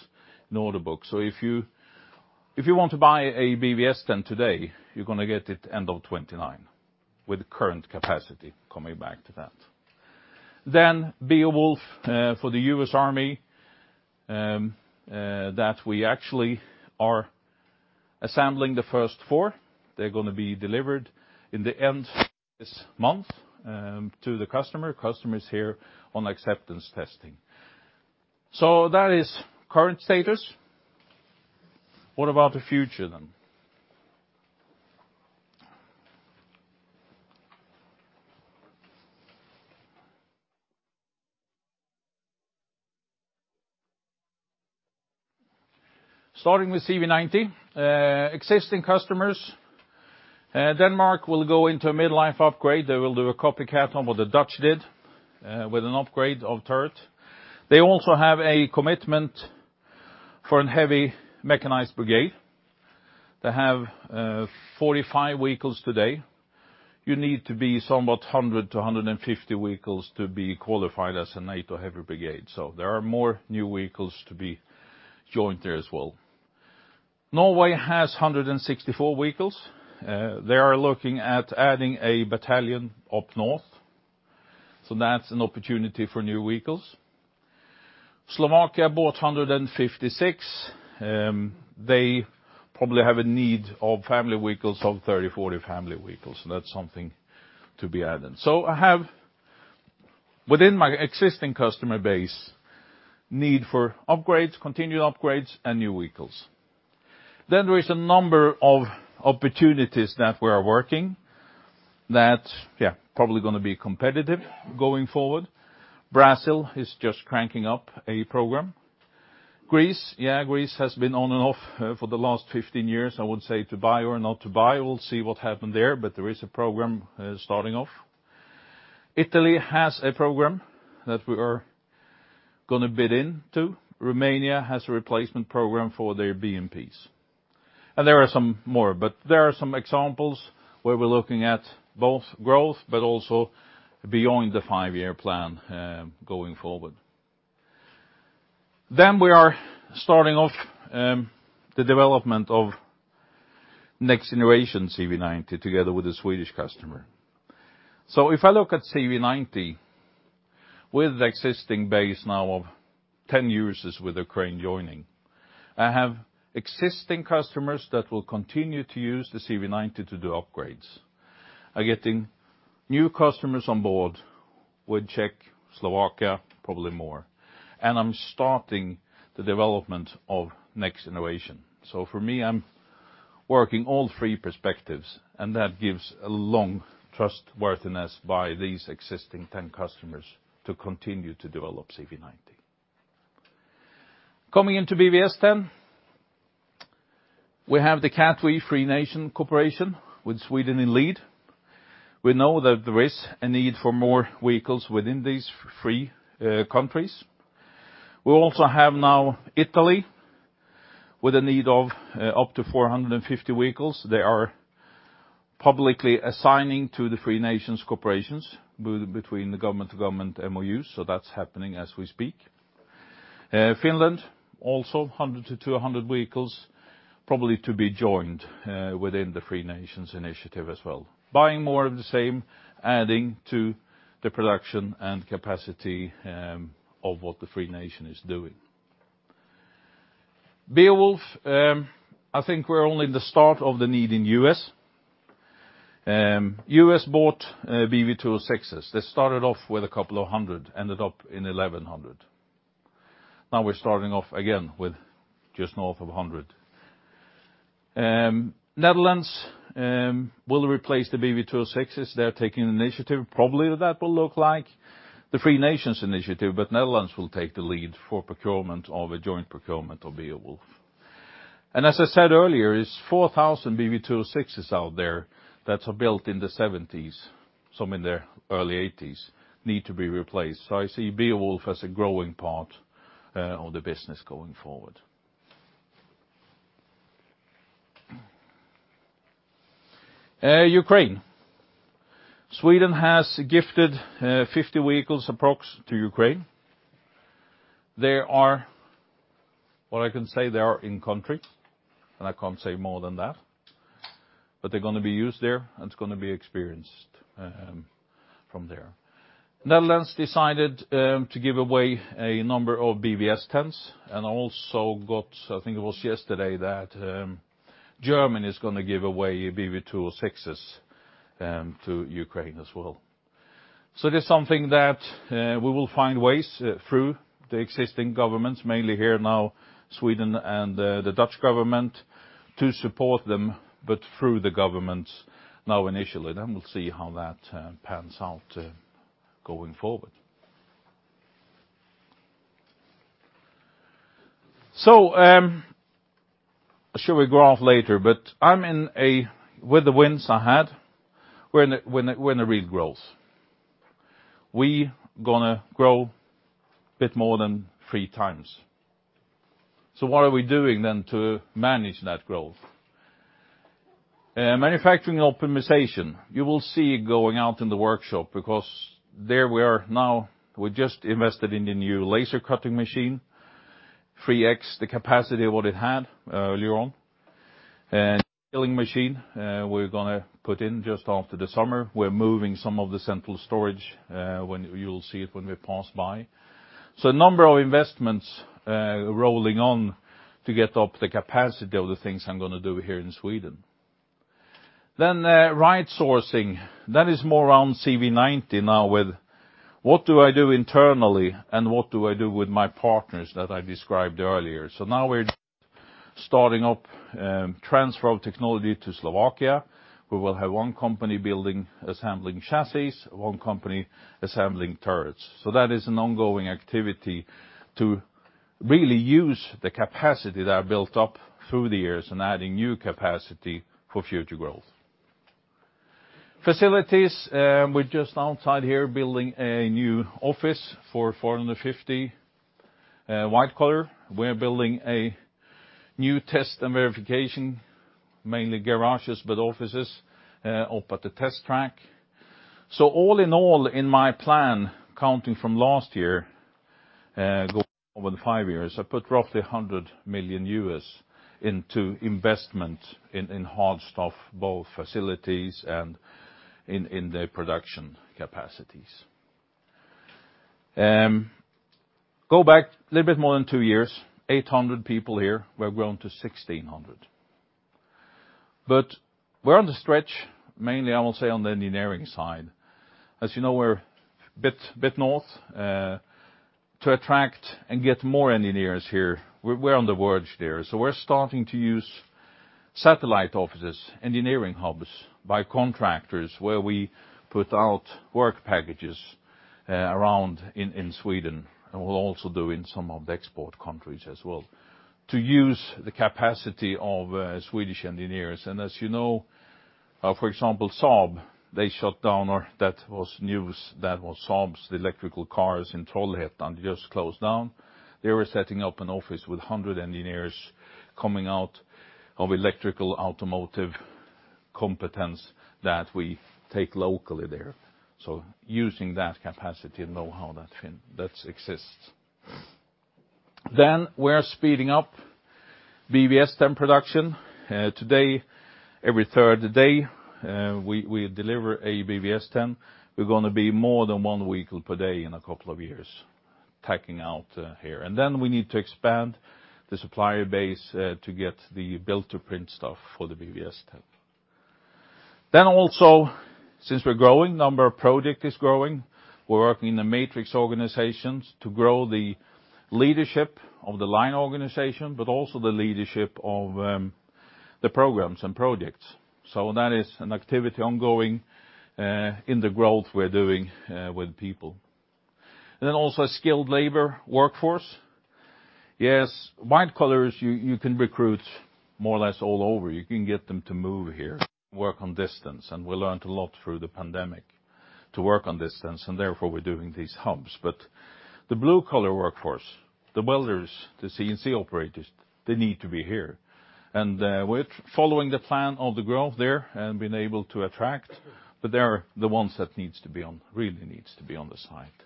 in order book. If you, if you want to buy a BvS10 today, you're going to get it end of 2029, with current capacity coming back to that. Beowulf for the U.S. Army that we actually are assembling the first four. They're going to be delivered in the end of this month to the customer. Customer is here on acceptance testing. What about the future, then? Starting with CV90, existing customers, Denmark will go into a mid-life upgrade. They will do a copycat on what the Dutch did with an upgrade of turret. They also have a commitment for a heavy mechanized brigade. They have 45 vehicles today. You need to be somewhat 100-150 vehicles to be qualified as a NATO heavy brigade, there are more new vehicles to be joined there as well. Norway has 164 vehicles. They are looking at adding a battalion up north, that's an opportunity for new vehicles. Slovakia bought 156. They probably have a need of family vehicles of 30, 40 family vehicles, that's something to be added. I have, within my existing customer base, need for upgrades, continued upgrades, and new vehicles. There is a number of opportunities that we are working, that probably gonna be competitive going forward. Brazil is just cranking up a program. Greece has been on and off for the last 15 years. I would say to buy or not to buy, we'll see what happen there. There is a program starting off. Italy has a program that we are gonna bid into. Romania has a replacement program for their BMPs. There are some more, but there are some examples where we're looking at both growth but also beyond the 5-year plan going forward. We are starting off the development of next generation CV90, together with a Swedish customer. If I look at CV90, with the existing base now of 10 users, with Ukraine joining, I have existing customers that will continue to use the CV90 to do upgrades. Are getting new customers on board with Czech, Slovakia, probably more, and I'm starting the development of next innovation. For me, I'm working all 3 perspectives, and that gives a long trustworthiness by these existing 10 customers to continue to develop CV90. Coming into BVS, we have the Four Nations cooperation, with Sweden in lead. We know that there is a need for more vehicles within these three countries. We also have now Italy, with a need of up to 450 vehicles. They are publicly assigning to the Four Nations cooperation, between the government to government MOU, that's happening as we speak. Finland, also 100-200 vehicles, probably to be joined within the Four Nations initiative as well. Buying more of the same, adding to the production and capacity of what the Four Nations is doing. Beowulf, I think we're only in the start of the need in U.S. U.S. bought Bv206s. They started off with a couple of 100, ended up in 1,100. Now we're starting off again with just north of 100. Netherlands will replace the Bv206s. They're taking the initiative. Probably, that will look like the Free Nations initiative. Netherlands will take the lead for procurement of a joint procurement of Beowulf. As I said earlier, is 4,000 Bv206s out there that are built in the 1970s, some in the early 1980s, need to be replaced. I see Beowulf as a growing part of the business going forward. Ukraine. Sweden has gifted 50 vehicles, approx, to Ukraine. What I can say, they are in country. I can't say more than that. They're gonna be used there. It's gonna be experienced from there. Netherlands decided to give away a number of BvS10s, and also got, I think it was yesterday, that Germany is gonna give away Bv206s to Ukraine as well. It is something that we will find ways through the existing governments, mainly here now, Sweden and the Dutch government, to support them, but through the governments now, initially, we'll see how that pans out going forward. I'm sure we go off later, but with the wins I had, we're in a real growth. We gonna grow a bit more than three times. What are we doing then to manage that growth? Manufacturing optimization, you will see it going out in the workshop because there we are now, we just invested in the new laser-cutting machine, 3x the capacity of what it had earlier on. Milling machine, we're going to put in just after the summer. We're moving some of the central storage, you'll see it when we pass by. Number of investments rolling on to get up the capacity of the things I'm going to do here in Sweden. Right sourcing, that is more around CV90 now with, what do I do internally, and what do I do with my partners that I described earlier? Now we're starting up transfer of technology to Slovakia. We will have one company building, assembling chassis, one company assembling turrets. That is an ongoing activity to really use the capacity that I built up through the years and adding new capacity for future growth. Facilities, we're just outside here, building a new office for 450 white collar. We're building a new test and verification, mainly garages, but offices up at the test track. All in all, in my plan, counting from last year, go over the 5 years, I put roughly $100 million into investment in hard stuff, both facilities and in the production capacities. Go back a little bit more than 2 years, 800 people here, we've grown to 1,600. We're on the stretch, mainly, I will say, on the engineering side. As you know, we're a bit north to attract and get more engineers here. We're on the verge there. We're starting to use satellite offices, engineering hubs, by contractors, where we put out work packages around in Sweden, and we'll also do in some of the export countries as well, to use the capacity of Swedish engineers. As you know, for example, Saab, they shut down, or that was news that was Saab's electrical cars in Trollhättan just closed down. They were setting up an office with 100 engineers coming out of electrical automotive competence that we take locally there. Using that capacity and know-how, that thing, that exists. We're speeding up BvS10 production. Today, every third day, we deliver a BvS10. We're gonna be more than one vehicle per day in a couple of years, taking out here. We need to expand the supplier base to get the build-to-print stuff for the BvS10. Since we're growing, number of project is growing, we're working in the matrix organizations to grow the leadership of the line organization, but also the leadership of the programs and projects. That is an activity ongoing in the growth we're doing with people. Skilled labor workforce. Yes, white collars, you can recruit more or less all over. You can get them to move here, work on distance, and we learned a lot through the pandemic to work on distance, and therefore, we're doing these hubs. The blue-collar workforce, the welders, the CNC operators, they need to be here. We're following the plan of the growth there and been able to attract, but they are the ones that really needs to be on the site.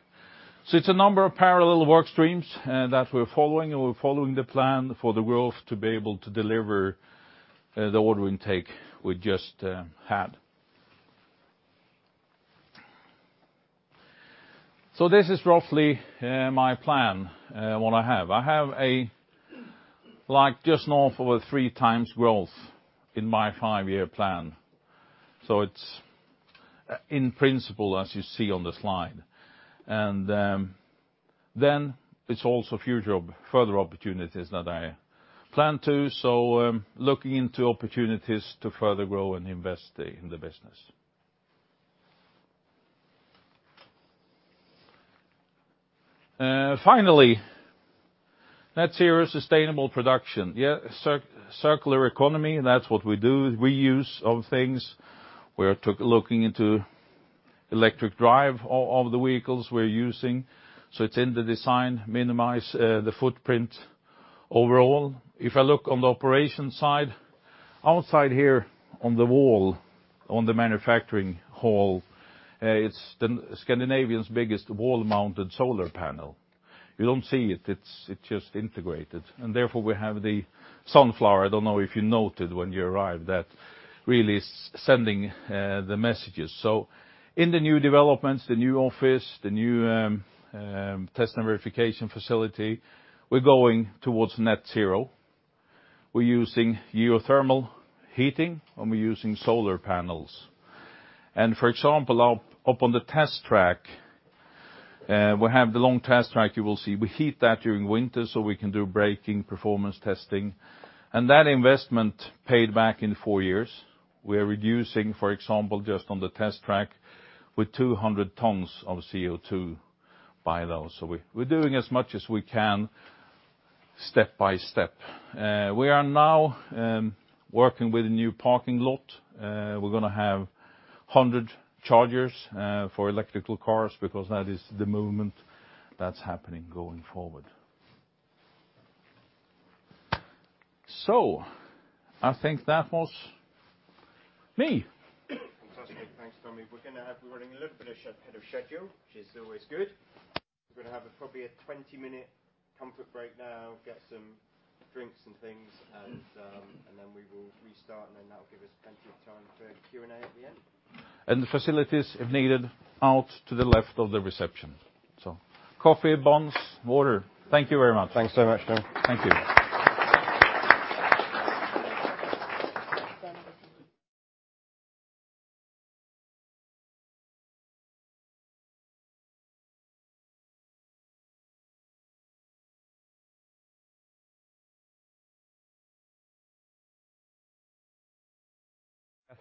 It's a number of parallel work streams that we're following, and we're following the plan for the growth to be able to deliver the order intake we just had. This is roughly my plan, what I have. I have a, like, just north over 3x growth in my five-year plan. It's, in principle, as you see on the slide. Then it's also further opportunities that I plan to, so looking into opportunities to further grow and invest in the business. Finally, net zero sustainable production. Circular economy, that's what we do. Reuse of things. We're looking into electric drive of the vehicles we're using, so it's in the design, minimize the footprint overall. If I look on the operation side, outside here on the wall, on the manufacturing hall, it's Scandinavia's biggest wall-mounted solar panel. You don't see it's just integrated, and therefore, we have the sunflower. I don't know if you noted when you arrived, that really is sending the messages. In the new developments, the new office, the new test and verification facility, we're going towards net zero. We're using geothermal heating, and we're using solar panels. For example, up on the test track, we have the long test track, you will see. We heat that during winter, so we can do braking, performance testing, and that investment paid back in four years. We are reducing, for example, just on the test track, with 200 tons of CO2 by those. We're doing as much as we can step by step. We are now working with a new parking lot. We're gonna have 100 chargers for electrical cars because that is the movement that's happening going forward. I think that was me. Fantastic. Thanks, Tommy. We're running a little bit ahead of schedule, which is always good. We're gonna have a 20-minute comfort break now, get some drinks and things, and then we will restart, and then that will give us plenty of time for Q&A at the end. The facilities, if needed, out to the left of the reception. Coffee, buns, water. Thank you very much. Thanks so much, Tommy. Thank you.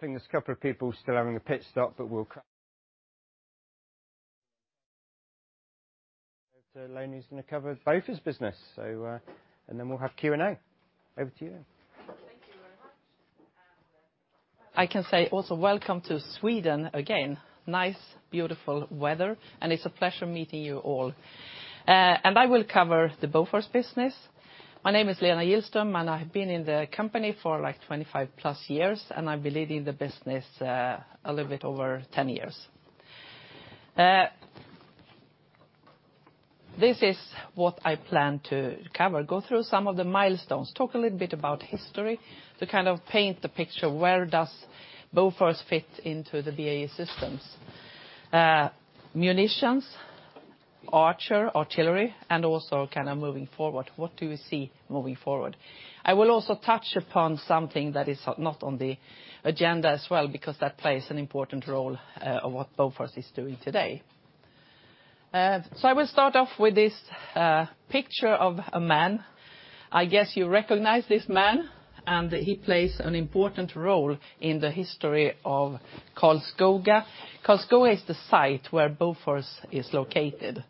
I think there's a couple of people still having a pit stop, but Lena is going to cover Bofors business, so, and then we'll have Q&A. Over to you. Thank you very much. I can say also welcome to Sweden again. Nice, beautiful weather, and it's a pleasure meeting you all. I will cover the Bofors business. My name is Lena Gillström, and I have been in the company for, like, 25+ years, and I've been leading the business a little bit over 10 years. This is what I plan to cover. Go through some of the milestones, talk a little bit about history, to kind of paint the picture, where does Bofors fit into the BAE Systems? Munitions, ARCHER, artillery, and also kind of moving forward, what do we see moving forward? I will also touch upon something that is not on the agenda as well, because that plays an important role of what Bofors is doing today. I will start off with this picture of a man. I guess you recognize this man, he plays an important role in the history of Karlskoga. Karlskoga is the site where Bofors is located,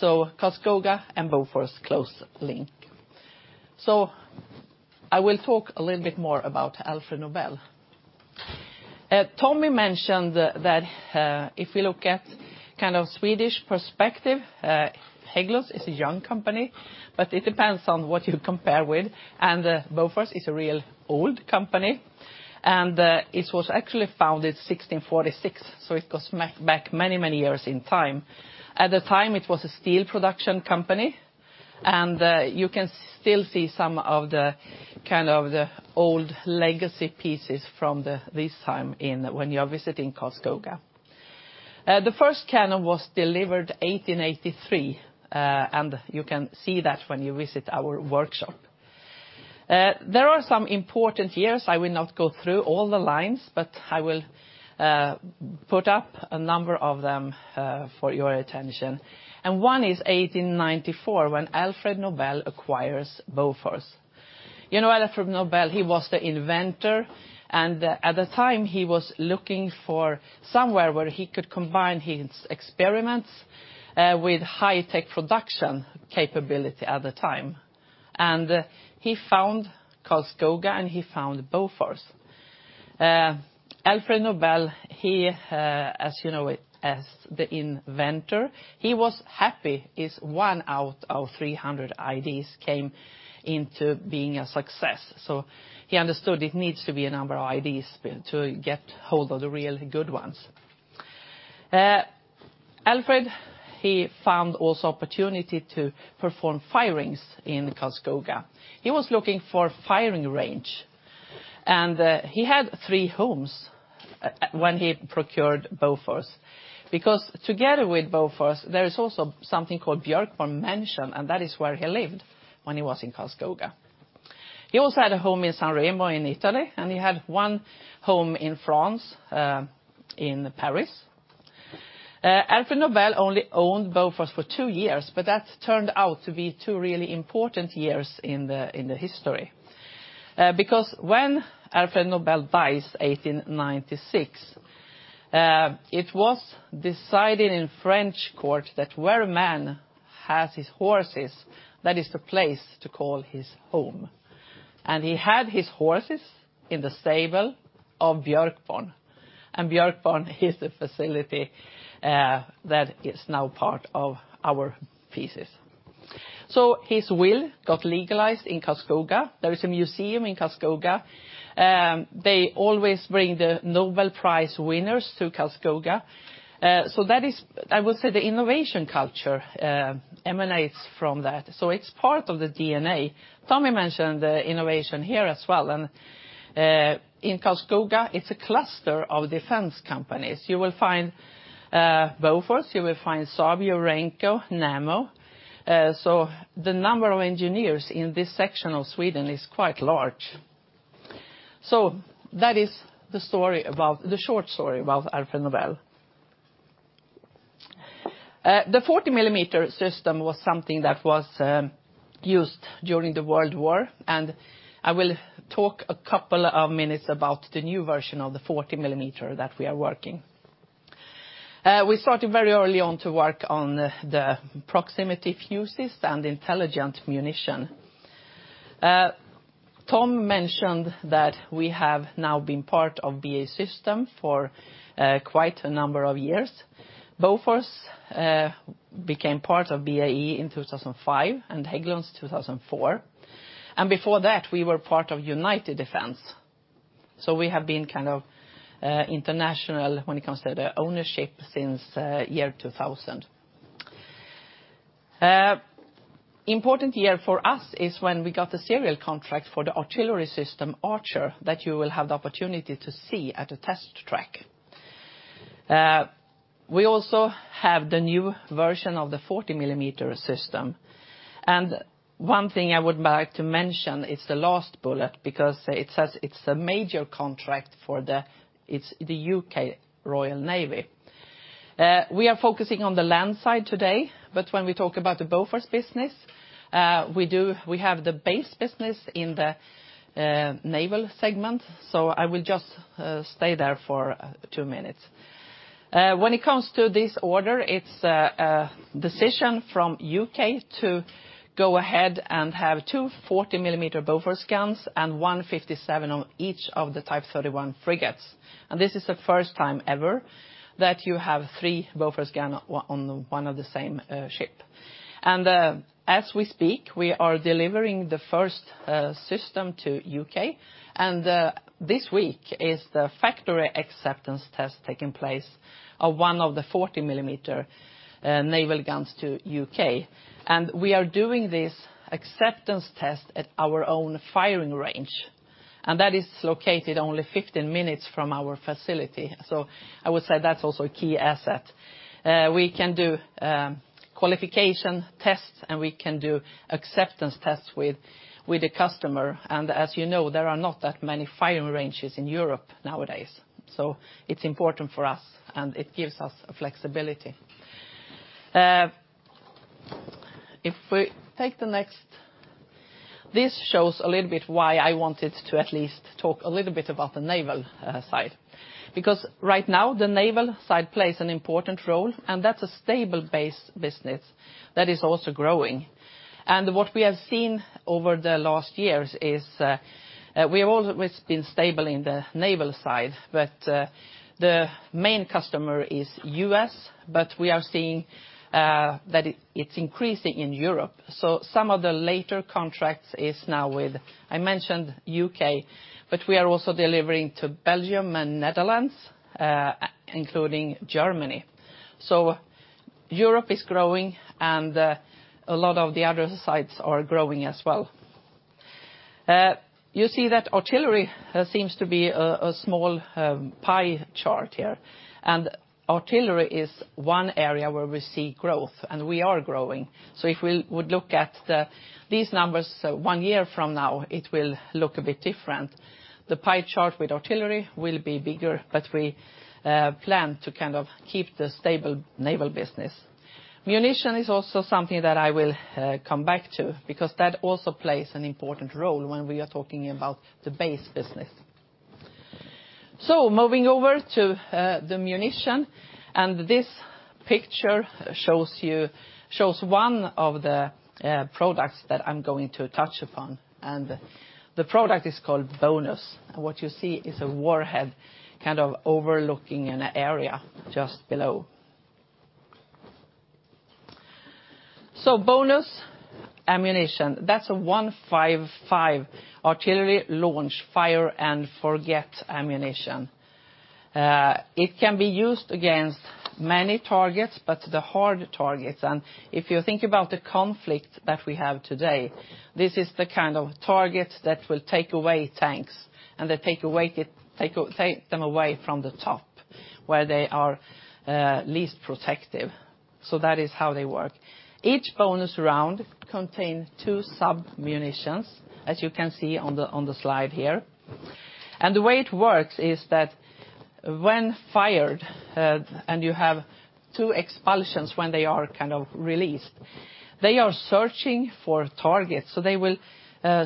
Karlskoga and Bofors, close link. I will talk a little bit more about Alfred Nobel. Tommy mentioned that, if we look at kind of Swedish perspective, Hägglunds is a young company, but it depends on what you compare with, Bofors is a real old company. It was actually founded 1646, it goes back many, many years in time. At the time, it was a steel production company, and, you can still see some of the, kind of the old legacy pieces from this time in when you are visiting Karlskoga. The first cannon was delivered 1883, and you can see that when you visit our workshop. There are some important years. I will not go through all the lines, but I will put up a number of them for your attention. One is 1894, when Alfred Nobel acquires Bofors. You know, Alfred Nobel, he was the inventor, and at the time, he was looking for somewhere where he could combine his experiments with high-tech production capability at the time. He found Karlskoga, and he found Bofors. Alfred Nobel, he, as you know, as the inventor, he was happy if one out of 300 ideas came into being a success. He understood it needs to be a number of ideas to get hold of the real good ones. Alfred, he found also opportunity to perform firings in Karlskoga. He was looking for firing range, he had three homes when he procured Bofors, because together with Bofors, there is also something called Björkborn Mansion, and that is where he lived when he was in Karlskoga. He also had a home in San Remo in Italy, and he had one home in France in Paris. Alfred Nobel only owned Bofors for two years, but that turned out to be two really important years in the history. Because when Alfred Nobel dies, 1896, it was decided in French court that where a man has his horses, that is the place to call his home. He had his horses in the stable of Björkborn, and Björkborn is the facility that is now part of our pieces. His will got legalized in Karlskoga. There is a museum in Karlskoga, they always bring the Nobel Prize winners to Karlskoga. That is, I would say, the innovation culture emanates from that, so it's part of the DNA. Tommy mentioned the innovation here as well, and in Karlskoga, it's a cluster of defense companies. You will find Bofors, you will find Saab, Repkon, Nammo. The number of engineers in this section of Sweden is quite large. That is the story about the short story about Alfred Nobel. The 40-mm system was something that was used during the World War, and I will talk a couple of minutes about the new version of the 40-mm that we are working. We started very early on to work on the proximity fuzes and intelligent munition. Tom mentioned that we have now been part of BAE Systems for quite a number of years. Bofors became part of BAE in 2005, and Hägglunds, 2004. Before that, we were part of United Defense. We have been kind of international when it comes to the ownership since year 2000. Important year for us is when we got the serial contract for the artillery system, ARCHER, that you will have the opportunity to see at the test track. We also have the new version of the 40-mm system. One thing I would like to mention is the last bullet, because it says it's a major contract for the U.K. Royal Navy. We are focusing on the land side today, but when we talk about the Bofors business, we have the base business in the naval segment, so I will just stay there for two minutes. When it comes to this order, it's a decision from U.K. to go ahead and have two 40mm Bofors guns and one 57mm on each of the Type 31 frigates. This is the first time ever that you have three Bofors gun on one of the same ship. As we speak, we are delivering the first system to U.K., and this week is the factory acceptance test taking place of one of the 40mm naval guns to U.K. We are doing this acceptance test at our own firing range. That is located only 15 minutes from our facility. I would say that's also a key asset. We can do qualification tests, and we can do acceptance tests with the customer. As you know, there are not that many firing ranges in Europe nowadays. It's important for us, and it gives us flexibility. If we take the next. This shows a little bit why I wanted to at least talk a little bit about the naval side. Right now, the naval side plays an important role, and that's a stable base business that is also growing. What we have seen over the last years is, we have always been stable in the naval side, but the main customer is U.S., but we are seeing that it's increasing in Europe. Some of the later contracts is now with, I mentioned U.K., but we are also delivering to Belgium and Netherlands, including Germany. Europe is growing, and a lot of the other sides are growing as well. You see that artillery seems to be a small pie chart here, and artillery is 1 area where we see growth, and we are growing. If we would look at these numbers one year from now, it will look a bit different. The pie chart with artillery will be bigger, but we plan to kind of keep the stable naval business. Munition is also something that I will come back to, because that also plays an important role when we are talking about the base business. Moving over to the munition, and this picture shows one of the products that I'm going to touch upon, and the product is called BONUS. What you see is a warhead kind of overlooking an area just below. BONUS ammunition, that's a 155 artillery launch, fire-and-forget ammunition. It can be used against many targets, but the hard targets. If you think about the conflict that we have today, this is the kind of target that will take away tanks, and they take them away from the top, where they are least protective. That is how they work. Each BONUS round contain two submunitions, as you can see on the slide here. The way it works is that when fired, and you have two expulsions when they are kind of released, they are searching for targets. They will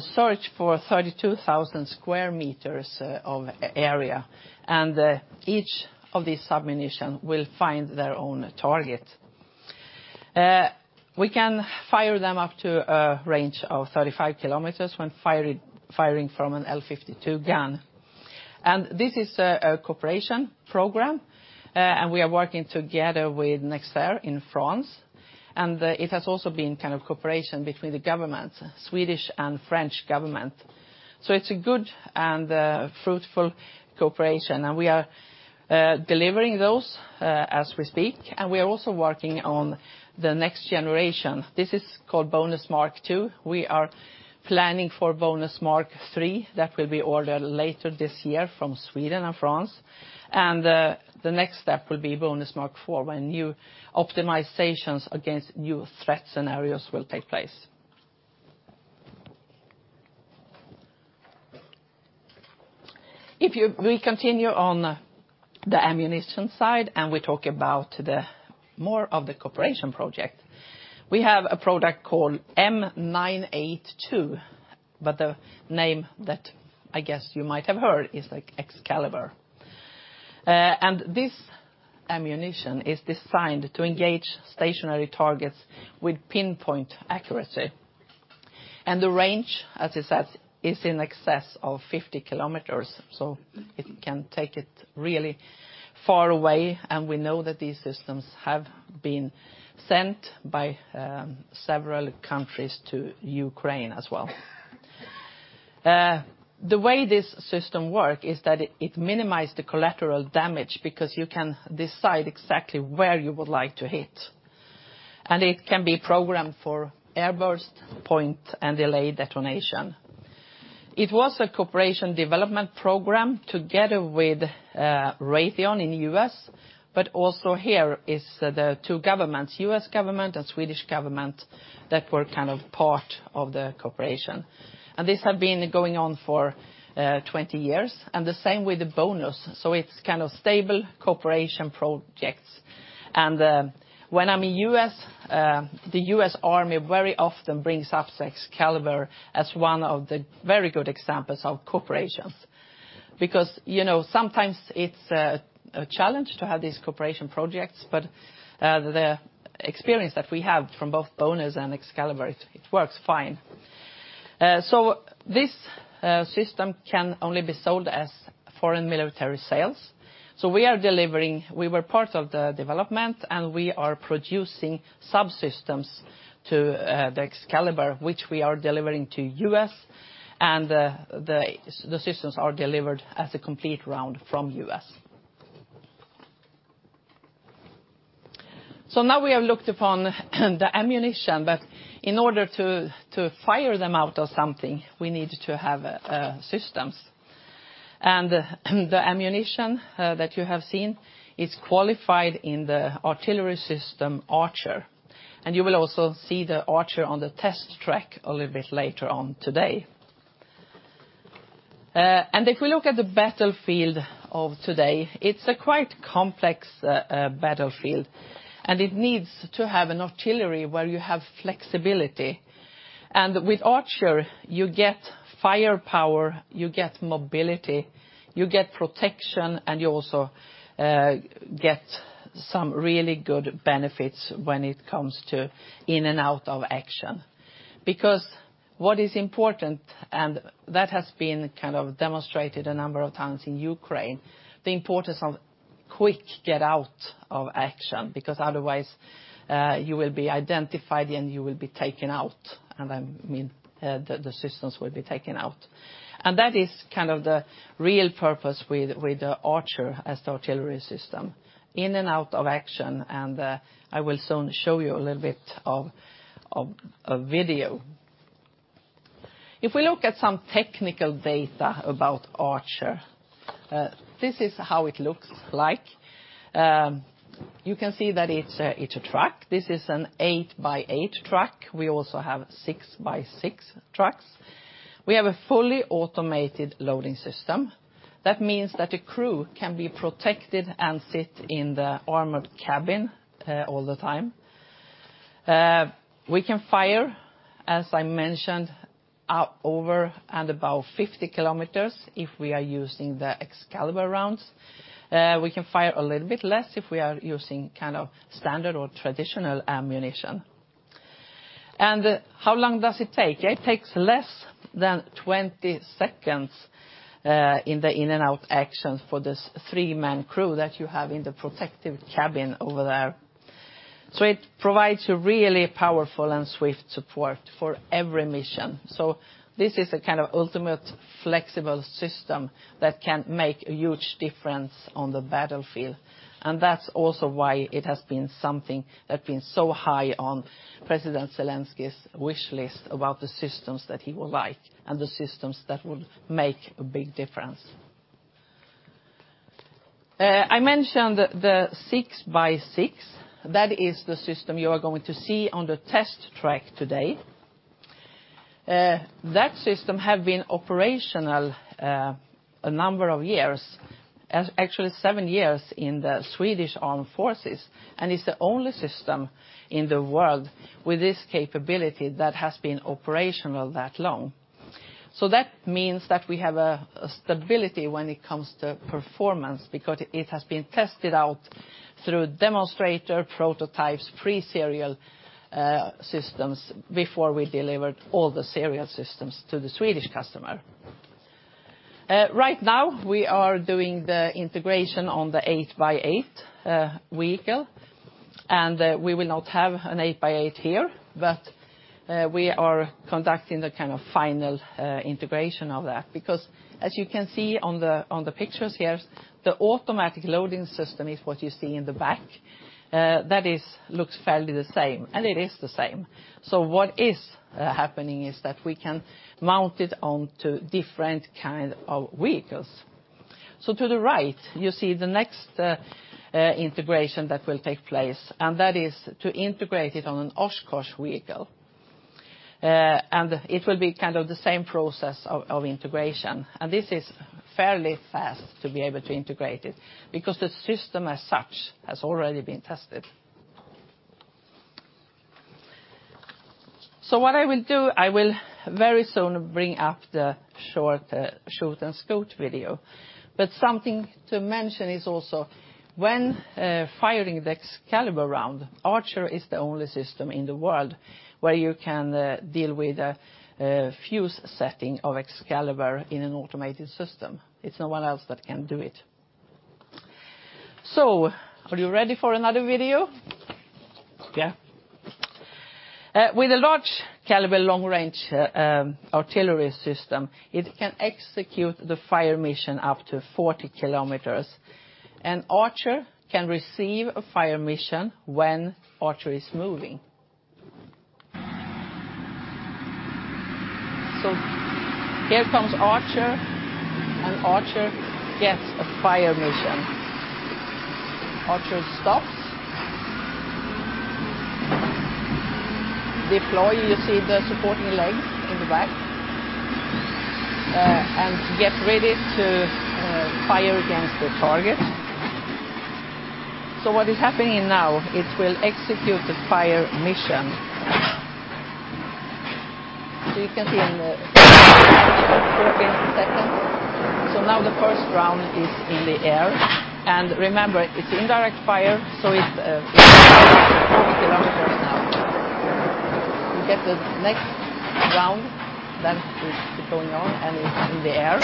search for 32,000 sq m of area, and each of these submunition will find their own target. We can fire them up to a range of 35 km when firing from an L52 gun. This is a cooperation program, and we are working together with Nexter in France, and it has also been kind of cooperation between the governments, Swedish and French government. It's a good and fruitful cooperation, and we are delivering those as we speak, and we are also working on the next generation. This is called BONUS Mark II. We are planning for BONUS Mark III. That will be ordered later this year from Sweden and France. The next step will be BONUS Mark IV, when new optimizations against new threat scenarios will take place. If we continue on the ammunition side, and we talk about the more of the cooperation project, we have a product called M982, but the name that I guess you might have heard is, like, Excalibur. This ammunition is designed to engage stationary targets with pinpoint accuracy. The range, as I said, is in excess of 50 kilometers, so it can take it really far away, and we know that these systems have been sent by several countries to Ukraine as well. The way this system work is that it minimize the collateral damage, because you can decide exactly where you would like to hit. It can be programmed for airburst, point, and delayed detonation. It was a cooperation development program together with Raytheon in the U.S., but also here is the two governments, U.S. government and Swedish government, that were kind of part of the cooperation. This have been going on for 20 years, and the same with the BONUS, it's kind of stable cooperation projects. When I'm in U.S., the U.S. Army very often brings up Excalibur as one of the very good examples of cooperation. You know, sometimes it's a challenge to have these cooperation projects, but the experience that we have from both BONUS and Excalibur, it works fine. This system can only be sold as foreign military sales. We are delivering... We were part of the development, and we are producing subsystems to the Excalibur, which we are delivering to U.S., and the systems are delivered as a complete round from U.S. Now we have looked upon the ammunition, but in order to fire them out or something, we need to have systems. The ammunition that you have seen is qualified in the artillery system, ARCHER. You will also see the ARCHER on the test track a little bit later on today. If we look at the battlefield of today, it's a quite complex battlefield, and it needs to have an artillery where you have flexibility. With ARCHER, you get firepower, you get mobility, you get protection, and you also get some really good benefits when it comes to in and out of action. What is important, and that has been kind of demonstrated a number of times in Ukraine, the importance of quick get out of action, because otherwise, you will be identified, and you will be taken out, and I mean, the systems will be taken out. That is kind of the real purpose with the ARCHER as the artillery system, in and out of action, and I will soon show you a little bit of a video. If we look at some technical data about ARCHER, this is how it looks like. You can see that it's a truck. This is an 8x8 truck. We also have 6x6 trucks. We have a fully automated loading system. That means that a crew can be protected and sit in the armored cabin all the time. We can fire, as I mentioned, up over and about 50 km if we are using the Excalibur rounds. We can fire a little bit less if we are using kind of standard or traditional ammunition. How long does it take? It takes less than 20 seconds in the in and out actions for this three-man crew that you have in the protective cabin over there. It provides a really powerful and swift support for every mission. This is a kind of ultimate flexible system that can make a huge difference on the battlefield, and that's also why it has been something that been so high on President Zelenskyy's wish list about the systems that he would like and the systems that would make a big difference. I mentioned the 6x6. That is the system you are going to see on the test track today. That system have been operational a number of years, actually seven years in the Swedish Armed Forces, and it's the only system in the world with this capability that has been operational that long. That means that we have a stability when it comes to performance because it has been tested out through demonstrator, prototypes, pre-serial systems before we delivered all the serial systems to the Swedish customer. Right now, we are doing the integration on the 8x8 vehicle, and we will not have an 8x8 here, but we are conducting the kind of final integration of that. As you can see on the pictures here, the automatic loading system is what you see in the back. That is, looks fairly the same, and it is the same. What is happening is that we can mount it onto different kind of vehicles. To the right, you see the next integration that will take place, and that is to integrate it on an Oshkosh vehicle. And it will be kind of the same process of integration, and this is fairly fast to be able to integrate it, because the system as such has already been tested. What I will do, I will very soon bring up the short shoot-and-scoot video. Something to mention is also, when firing the Excalibur round, ARCHER is the only system in the world where you can deal with a fuse setting of Excalibur in an automated system. It's no one else that can do it. Are you ready for another video? Yeah. With a large Excalibur long-range artillery system, it can execute the fire mission up to 40 km, and ARCHER can receive a fire mission when ARCHER is moving. Here comes ARCHER, and ARCHER gets a fire mission. ARCHER stops. Deploy, you see the supporting leg in the back, and get ready to fire against the target. What is happening now, it will execute the fire mission. You can see in the second. Now the first round is in the air, and remember, it's indirect fire, so it, kilometers now. You get the next round that is going on, and it's in the air.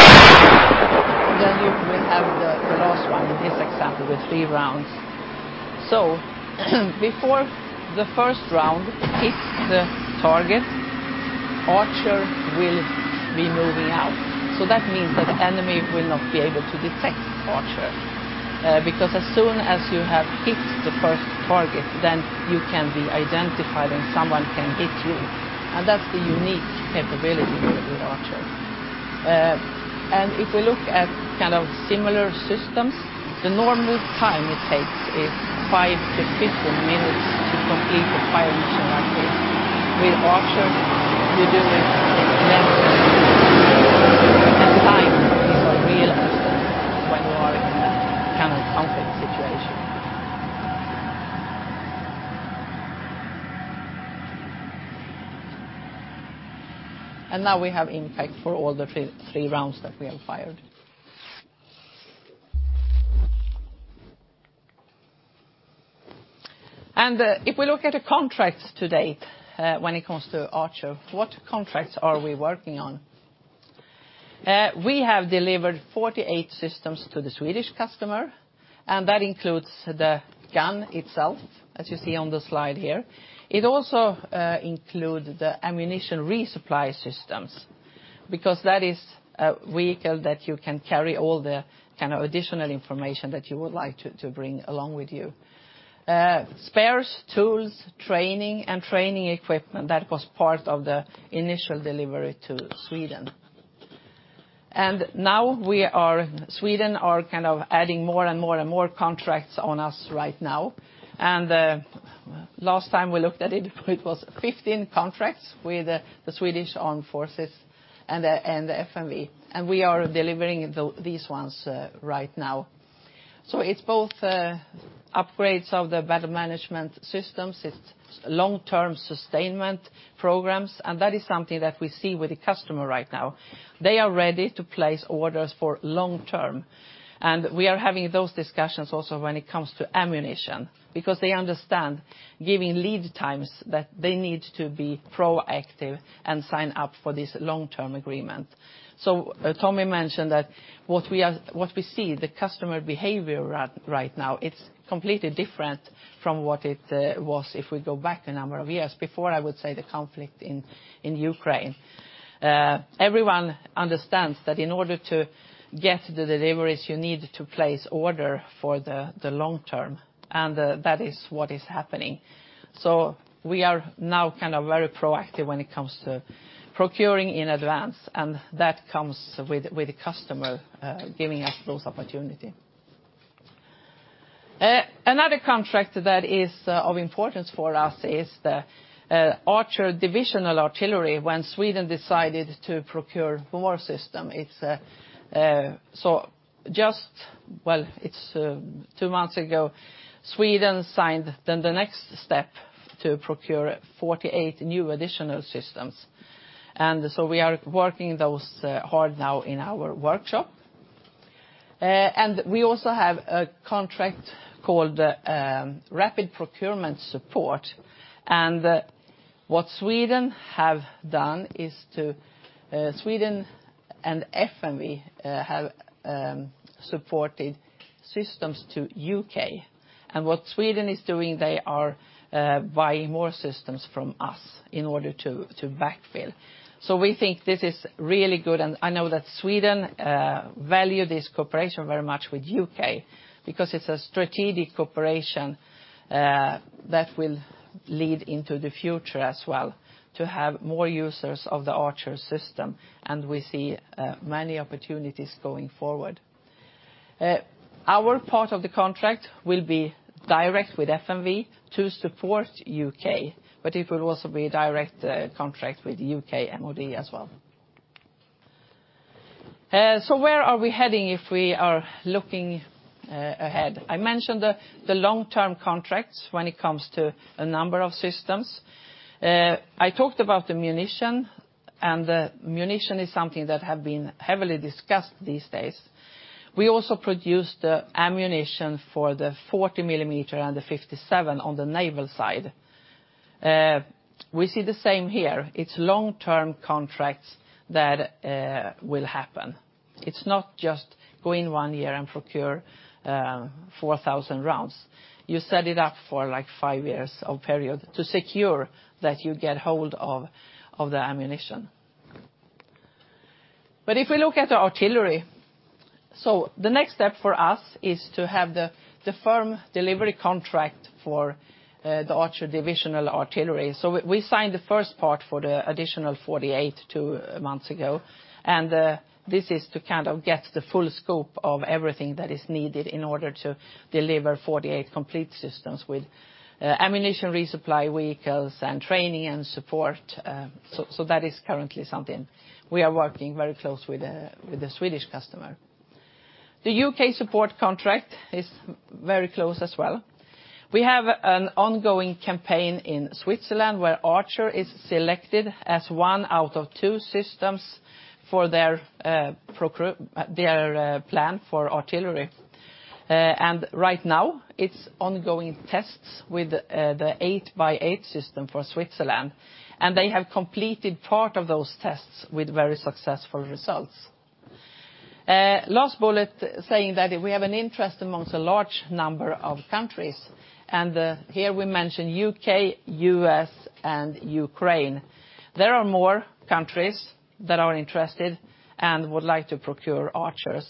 You will have the last one, in this example, the three rounds. Before the first round hits the target- ARCHER will be moving out. That means that the enemy will not be able to detect Archer. Because as soon as you have hit the first target, then you can be identified and someone can hit you, that's the unique capability with Archer. If we look at kind of similar systems, the normal time it takes is 5-15 minutes to complete a fire mission like this. With Archer, you do it in less than a minute. Time is a real asset when you are in that kind of conflict situation. Now we have impact for all the three rounds that we have fired. If we look at the contracts to date, when it comes to Archer, what contracts are we working on? We have delivered 48 systems to the Swedish customer, and that includes the gun itself, as you see on the slide here. It also includes the ammunition resupply systems, because that is a vehicle that you can carry all the kind of additional information that you would like to bring along with you. Spares, tools, training, and training equipment, that was part of the initial delivery to Sweden. Now Sweden are kind of adding more and more and more contracts on us right now. Last time we looked at it was 15 contracts with the Swedish Armed Forces and the FMV, and we are delivering these ones right now. It's both upgrades of the battle management systems, it's long-term sustainment programs, and that is something that we see with the customer right now. They are ready to place orders for long term, and we are having those discussions also when it comes to ammunition, because they understand, giving lead times, that they need to be proactive and sign up for this long-term agreement. Tommy mentioned that what we see, the customer behavior right now, it's completely different from what it was if we go back a number of years, before, I would say, the conflict in Ukraine. Everyone understands that in order to get the deliveries, you need to place order for the long term, and that is what is happening. We are now kind of very proactive when it comes to procuring in advance, and that comes with the customer giving us those opportunity. Another contract that is of importance for us is the ARCHER Divisional Artillery. When Sweden decided to procure more system, two months ago, Sweden signed the next step to procure 48 new additional systems. We are working those hard now in our workshop. We also have a contract called Rapid Procurement Support. What Sweden have done is to Sweden and FMV have supported systems to U.K. What Sweden is doing, they are buying more systems from us in order to backfill. We think this is really good, and I know that Sweden value this cooperation very much with U.K., because it's a strategic cooperation that will lead into the future as well, to have more users of the ARCHER system, and we see many opportunities going forward. Our part of the contract will be direct with FMV to support U.K., but it will also be a direct contract with U.K. MOD as well. Where are we heading if we are looking ahead? I mentioned the long-term contracts when it comes to a number of systems. I talked about ammunition, and ammunition is something that have been heavily discussed these days. We also produce the ammunition for the 40 mm and the 57 mm on the naval side. We see the same here. It's long-term contracts that will happen. It's not just go in one year and procure 4,000 rounds. You set it up for, like, five years of period to secure that you get hold of the ammunition. If we look at the artillery, the next step for us is to have the firm delivery contract for the ARCHER Divisional Artillery. We signed the first part for the additional 48 systems two months ago, and this is to kind of get the full scope of everything that is needed in order to deliver 48 complete systems with ammunition, resupply vehicles, and training and support. That is currently something we are working very closely with the Swedish customer. The U.K. support contract is very close as well. We have an ongoing campaign in Switzerland, where ARCHER is selected as one out of two systems for their plan for artillery. Right now, it's ongoing tests with the 8x8 system for Switzerland, and they have completed part of those tests with very successful results. Last bullet saying that we have an interest amongst a large number of countries, and here we mention U.K., U.S., and Ukraine. There are more countries that are interested and would like to procure ARCHERs,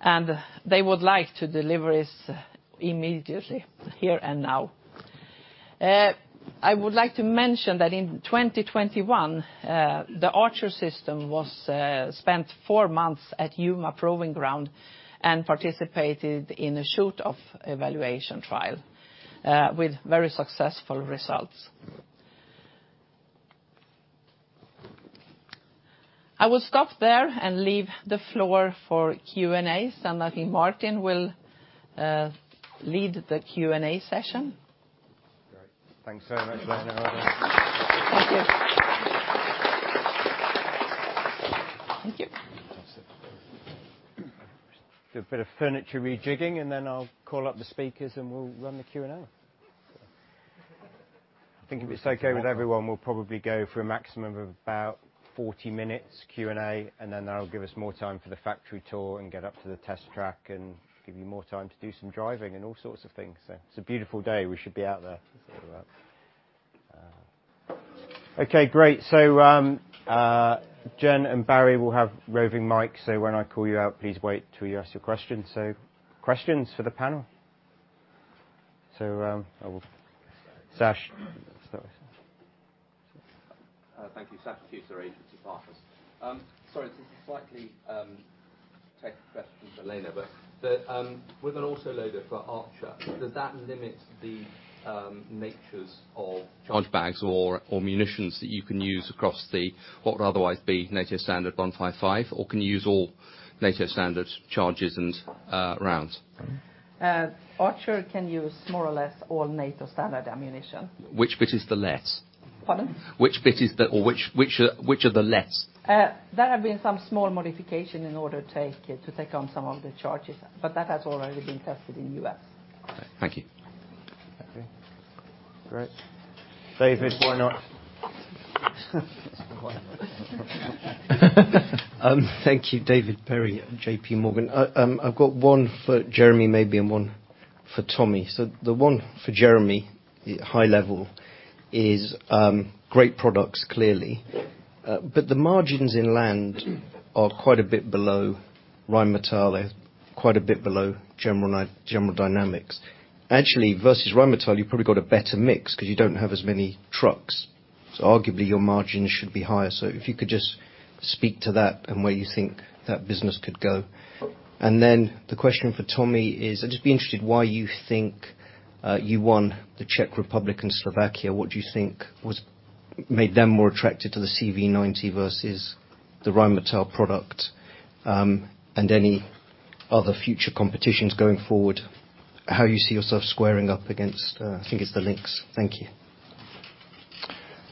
and they would like to deliveries immediately, here and now. I would like to mention that in 2021, the ARCHER system was spent four months at Yuma Proving Ground and participated in a shoot-off evaluation trial with very successful results. I will stop there and leave the floor for Q&A. Martin will lead the Q&A session. Great. Thanks so much, Lena. Thank you. Thank you. Do a bit of furniture rejigging, and then I'll call up the speakers, and we'll run the Q&A. I think if it's okay with everyone, we'll probably go for a maximum of about 40 minutes Q&A, and then that'll give us more time for the factory tour, and get up to the test track, and give you more time to do some driving and all sorts of things. It's a beautiful day. We should be out there. Okay, great. Jen and Barry will have roving mic, so when I call you out, please wait till you ask your question. Questions for the panel? I will Sash. Thank you, Sash Future Agency Partners. Sorry, this is slightly tech question for Lena, but with an autoloader for ARCHER, does that limit the natures of charge bags or munitions that you can use across the, what would otherwise be NATO standard 155 mm, or can you use all NATO standard charges and rounds? ARCHER can use more or less all NATO standard ammunition. Which bit is the less? Pardon? Which bit is the or which are the less? There have been some small modifications in order to take on some of the charges, but that has already been tested in the U.S. Thank you. Okay, great. David, why not? Thank you. David Perry, JPMorgan. I've got one for Jeremy, maybe, and one for Tommy. The one for Jeremy, the high level is, great products, clearly. The margins in Land are quite a bit below Rheinmetall, quite a bit below General Dynamics. Actually, versus Rheinmetall, you've probably got a better mix because you don't have as many trucks, so arguably, your margins should be higher. If you could just speak to that and where you think that business could go. Then the question for Tommy is, I'd just be interested, why you think you won the Czech Republic and Slovakia. What do you think made them more attracted to the CV90 versus the Rheinmetall product, any other future competitions going forward, how you see yourself squaring up against, I think it's the Lynx. Thank you.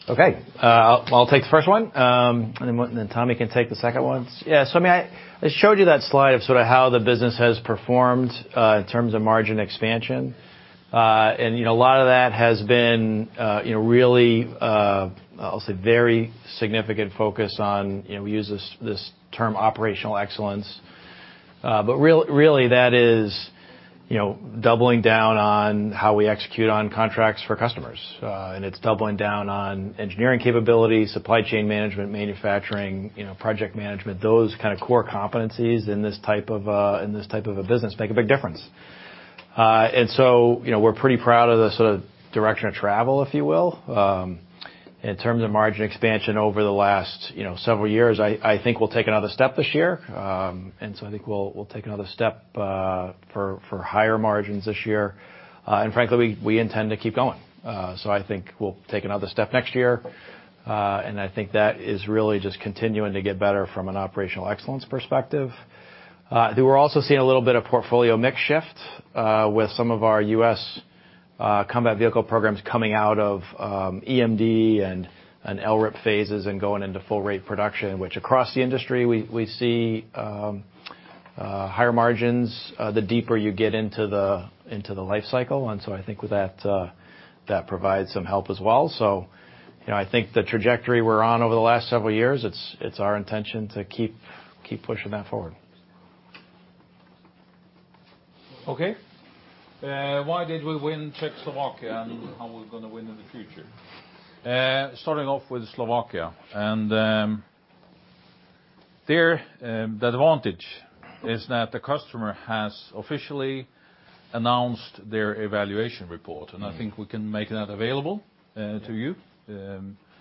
Okay, I'll take the first one, then Tommy can take the second one. Yeah, I mean, I showed you that slide of sort of how the business has performed in terms of margin expansion. You know, a lot of that has been, you know, really, I'll say, very significant focus on, you know, we use this term operational excellence. Really, that is, you know, doubling down on how we execute on contracts for customers. It's doubling down on engineering capability, supply chain management, manufacturing, you know, project management. Those kind of core competencies in this type of, in this type of a business, make a big difference. You know, we're pretty proud of the sort of direction of travel, if you will. In terms of margin expansion over the last, you know, several years, I think we'll take another step this year. I think we'll take another step for higher margins this year. Frankly, we intend to keep going. I think we'll take another step next year, I think that is really just continuing to get better from an operational excellence perspective. We were also seeing a little bit of portfolio mix shift with some of our U.S. combat vehicle programs coming out of EMD and LRIP phases and going into full rate production, which across the industry, we see higher margins the deeper you get into the life cycle. I think with that provides some help as well. You know, I think the trajectory we're on over the last several years, it's our intention to keep pushing that forward. Okay. why did we win Czech Slovakia, and how are we gonna win in the future? starting off with Slovakia, and there the advantage is that the customer has officially announced their evaluation report, and I think we can make that available to you. From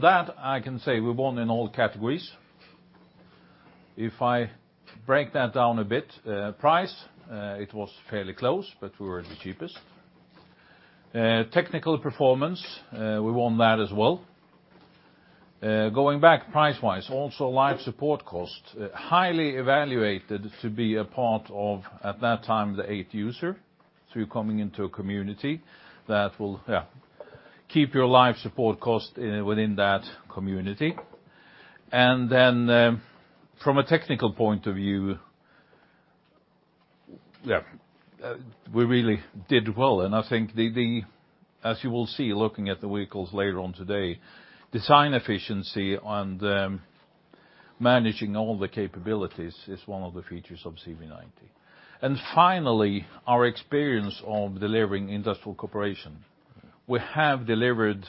that, I can say we won in all categories. If I break that down a bit, price, it was fairly close, but we were the cheapest. technical performance, we won that as well. going back price-wise, also life support cost, highly evaluated to be a part of, at that time, the eighth user. You're coming into a community that will, yeah, keep your life support cost in, within that community. Then, from a technical point of view- Yeah, we really did well, and I think the, as you will see, looking at the vehicles later on today, design efficiency and managing all the capabilities is one of the features of CV90. Finally, our experience of delivering industrial cooperation. We have delivered,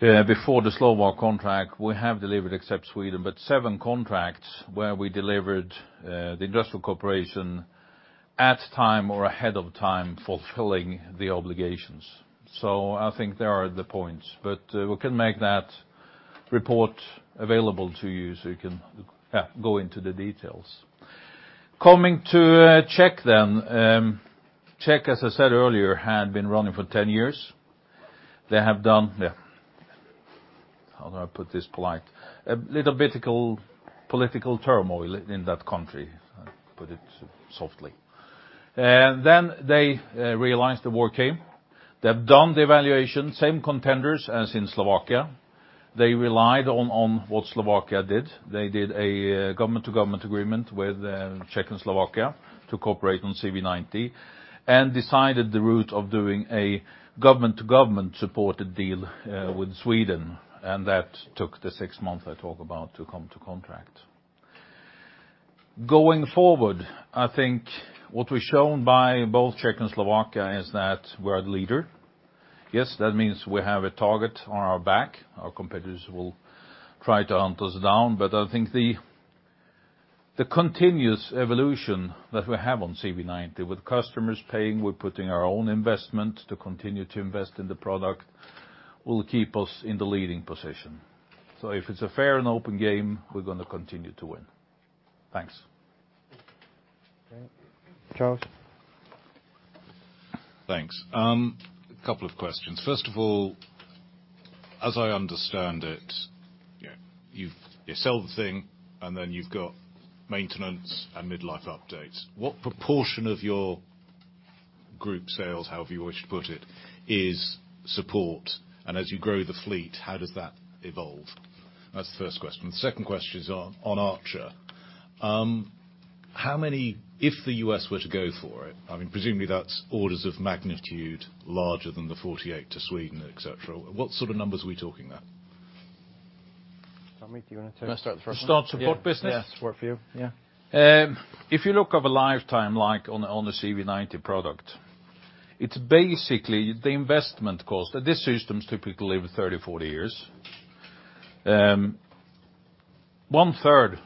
before the Slovak contract, we have delivered, except Sweden, but seven contracts where we delivered the industrial cooperation at time or ahead of time, fulfilling the obligations. I think there are the points, but we can make that report available to you, so you can go into the details. Coming to Czech, then. Czech, as I said earlier, had been running for 10 years. They have done. How do I put this polite? A little political turmoil in that country, put it softly. Then they realized the war came. They've done the evaluation, same contenders as in Slovakia. They relied on what Slovakia did. They did a government-to-government agreement with Czech and Slovakia to cooperate on CV90. Decided the route of doing a government-to-government supported deal with Sweden. That took the six months I talk about to come to contract. Going forward, I think what we've shown by both Czech and Slovakia is that we're a leader. Yes, that means we have a target on our back. Our competitors will try to hunt us down, but I think the continuous evolution that we have on CV90 with customers paying, we're putting our own investment to continue to invest in the product, will keep us in the leading position. If it's a fair and open game, we're gonna continue to win. Thanks. Okay. Charles? Thanks. A couple of questions. First of all, as I understand it, you sell the thing, and then you've got maintenance and mid-life updates. What proportion of your group sales, however you wish to put it, is support? As you grow the fleet, how does that evolve? That's the first question. The second question is on Archer. How many, if the U.S. were to go for it, presumably, that's orders of magnitude larger than the 48 systems to Sweden, et cetera. What sort of numbers are we talking about? Tommy, do you want to take- Can I start the first one? Yeah. Start support business? Yes, support for you. Yeah. If you look of a lifetime, like on the CV90 product, it's basically the investment cost. These systems typically live 30, 40 years. 1/3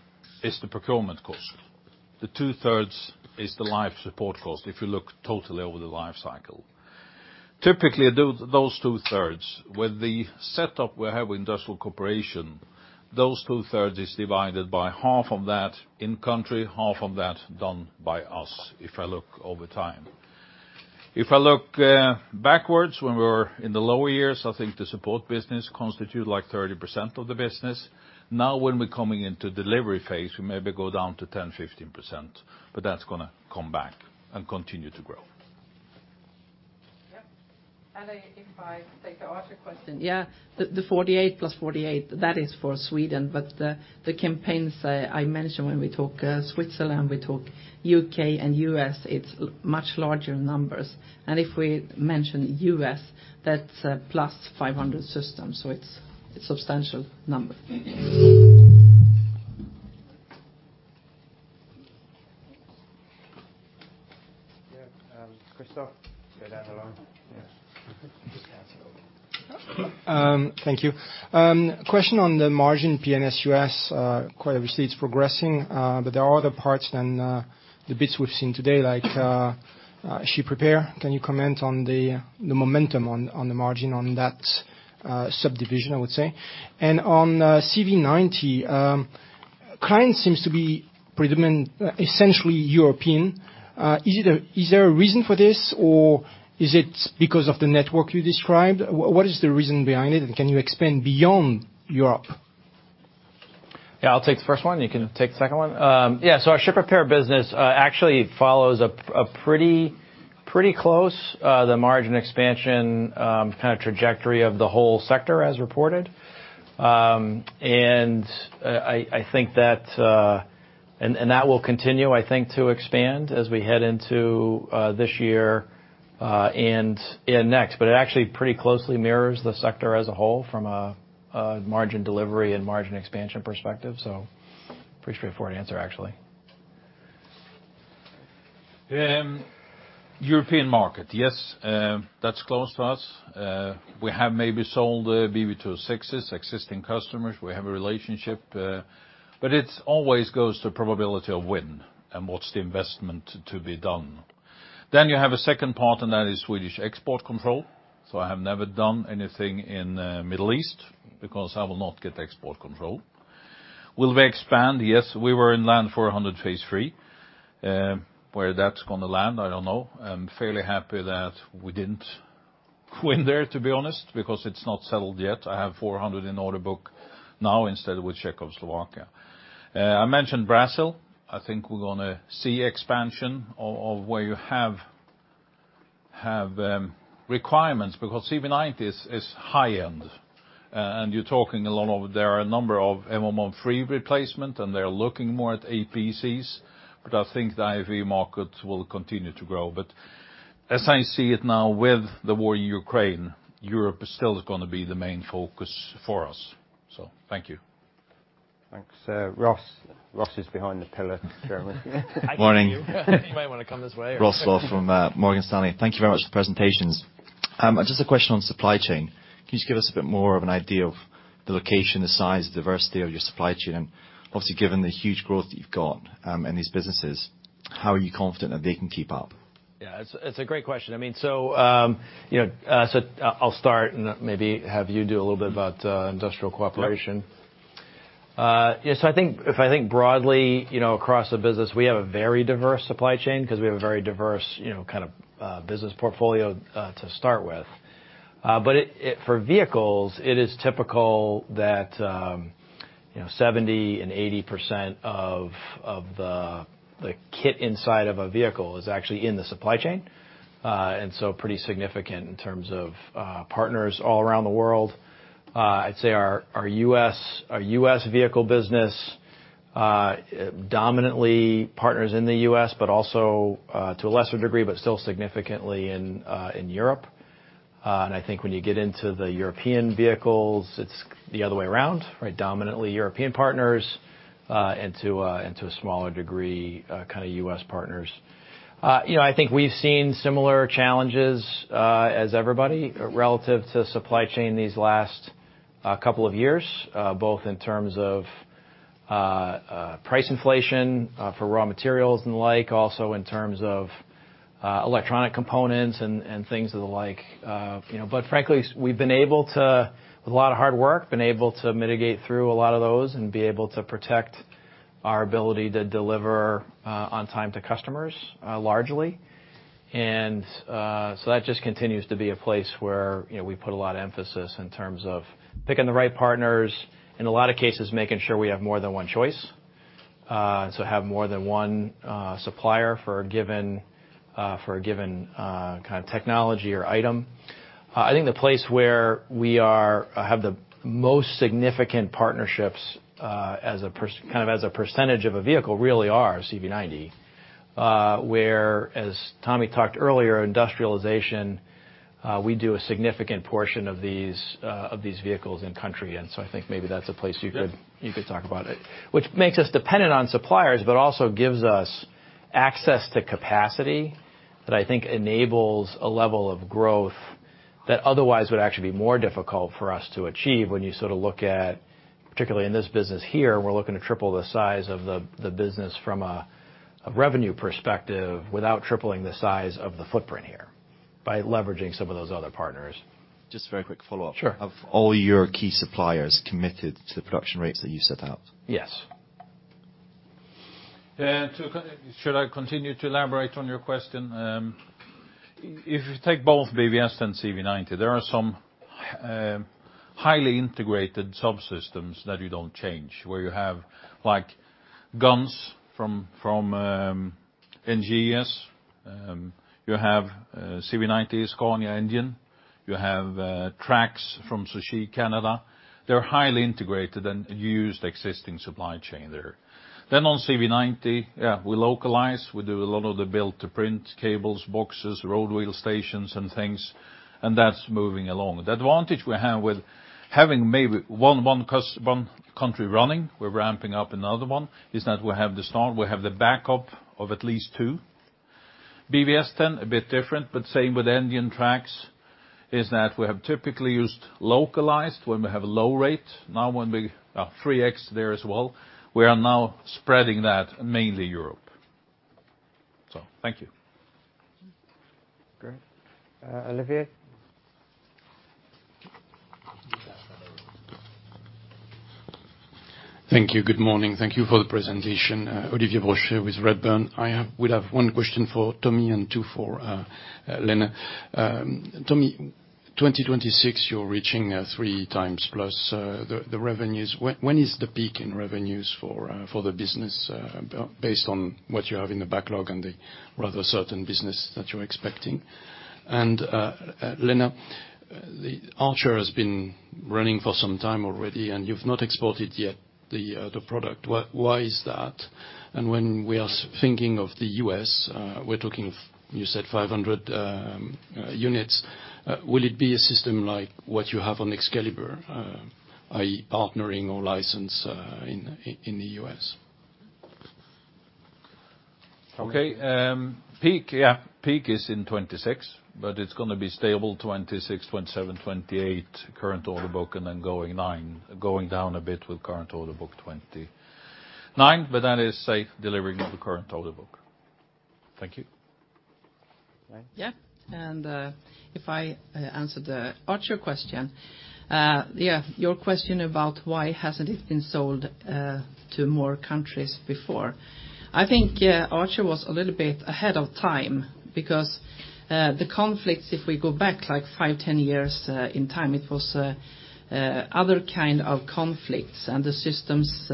is the procurement cost. The 2/3 is the life support cost, if you look totally over the life cycle. Typically, those 2/3, with the setup we have with industrial cooperation, those 2/3 is divided by half of that in country, half of that done by us, if I look over time. If I look backwards, when we were in the lower years, I think the support business constitute, like, 30% of the business. Now, when we're coming into delivery phase, we maybe go down to 10%-15%, but that's gonna come back and continue to grow. Yep. If I take the ARCHER question, the 48 plus 48 systems, that is for Sweden, but the campaigns I mentioned when we talk Switzerland, we talk U.K. and U.S., it's much larger numbers. If we mention U.S., that's +500 systems. It's a substantial number. Yeah, Christophe. Thank you. Question on the margin PNS U.S. Quite obviously, it's progressing, but there are other parts than the bits we've seen today, like Ship Repair. Can you comment on the momentum on the margin on that subdivision, I would say? On CV90, clients seem to be predominant, essentially European. Is there a reason for this, or is it because of the network you described? What is the reason behind it, and can you expand beyond Europe? Yeah, I'll take the first one. You can take the second one. Yeah, so our ship repair business actually follows a pretty close the margin expansion kind of trajectory of the whole sector as reported. I think that and that will continue, I think, to expand as we head into this year and next. It actually pretty closely mirrors the sector as a whole from a margin delivery and margin expansion perspective, so pretty straightforward answer, actually. European market. Yes, that's close to us. We have maybe sold Bv206s, existing customers. We have a relationship, it always goes to probability of win and what's the investment to be done. You have a second part, and that is Swedish export control. I have never done anything in Middle East, because I will not get the export control. Will we expand? Yes, we were in LAND 400 phase III. Where that's gonna land, I don't know. I'm fairly happy that we didn't win there, to be honest, because it's not settled yet. I have 400 in order book now instead with Czechoslovakia. I mentioned Brazil. I think we're gonna see expansion of where you have requirements because CV90 is high-end. There are a number of RMMV replacement, and they're looking more at APCs, but I think the IFV markets will continue to grow. As I see it now, with the war in Ukraine, Europe is still gonna be the main focus for us. Thank you. Thanks. Ross. Ross is behind the pillar, Chairman. Good morning. You might wanna come this way. Ross Law from Morgan Stanley. Thank you very much for the presentations. Just a question on supply chain. Can you just give us a bit more of an idea of the location, the size, diversity of your supply chain? Obviously, given the huge growth that you've got in these businesses, how are you confident that they can keep up? Yeah, it's a great question. I mean, you know, I'll start, and maybe have you do a little bit about industrial cooperation. Right. Yes, if I think broadly, you know, across the business, we have a very diverse supply chain because we have a very diverse, you know, kind of business portfolio to start with. For vehicles, it is typical that, you know, 70% and 80% of the kit inside of a vehicle is actually in the supply chain. Pretty significant in terms of partners all around the world. I'd say our U.S. vehicle business dominantly partners in the U.S., but also to a lesser degree, but still significantly in Europe. I think when you get into the European vehicles, it's the other way around, right? Dominantly European partners, and to a smaller degree, kind of U.S. partners. You know, I think we've seen similar challenges, as everybody relative to supply chain these last couple of years, both in terms of price inflation for raw materials and the like, also in terms of electronic components and things of the like, you know. Frankly, we've been able to, with a lot of hard work, been able to mitigate through a lot of those and be able to protect our ability to deliver on time to customers, largely. So that just continues to be a place where, you know, we put a lot of emphasis in terms of picking the right partners, in a lot of cases, making sure we have more than one choice, so have more than one supplier for a given, for a given kind of technology or item. I think the place where we have the most significant partnerships as a percentage of a vehicle, really are CV90. Where, as Tommy talked earlier, industrialization, we do a significant portion of these vehicles in country. So I think maybe that's a place you could talk about it, which makes us dependent on suppliers, but also gives us access to capacity that I think enables a level of growth that otherwise would actually be more difficult for us to achieve when you sort of look at, particularly in this business here, we're looking to triple the size of the business from a revenue perspective, without tripling the size of the footprint here, by leveraging some of those other partners. Just a very quick follow-up. Sure. Have all your key suppliers committed to the production rates that you set out? Yes. Should I continue to elaborate on your question? If you take both VBS and CV90, there are some highly integrated subsystems that you don't change, where you have, like, guns from NGS. You have CV90's Scania engine, you have tracks from Soucy, Canada. They're highly integrated and used existing supply chain there. On CV90, we localize, we do a lot of the build to print, cables, boxes, road wheel stations and things, and that's moving along. The advantage we have with having maybe one country running, we're ramping up another one, is that we have the start, we have the backup of at least two. VBS, a bit different, but same with engine tracks, is that we have typically used localized when we have a low rate. Now when we, 3x there as well, we are now spreading that mainly Europe. Thank you. Great. Olivier? Thank you. Good morning. Thank you for the presentation. Olivier Brochet with Redburn. I have, well, I have one question for Tommy and two for Lena. Tommy, 2026, you're reaching 3x plus the revenues. When is the peak in revenues for the business, based on what you have in the backlog and the rather certain business that you're expecting? Lena, the ARCHER has been running for some time already, and you've not exported yet the product. Why is that? When we are thinking of the U.S., we're talking, you said 500 units, will it be a system like what you have on Excalibur, i.e., partnering or license in the U.S.? Peak is in 2026, but it's gonna be stable, 2026, 2027, 2028, current order book. Going nine, going down a bit with current order book, 2029. That is safe delivering of the current order book. Thank you. Yeah, if I answer the ARCHER question, your question about why hasn't it been sold to more countries before? I think, yeah, ARCHER was a little bit ahead of time because the conflicts, if we go back, like, five, 10 years in time, it was other kind of conflicts, and the systems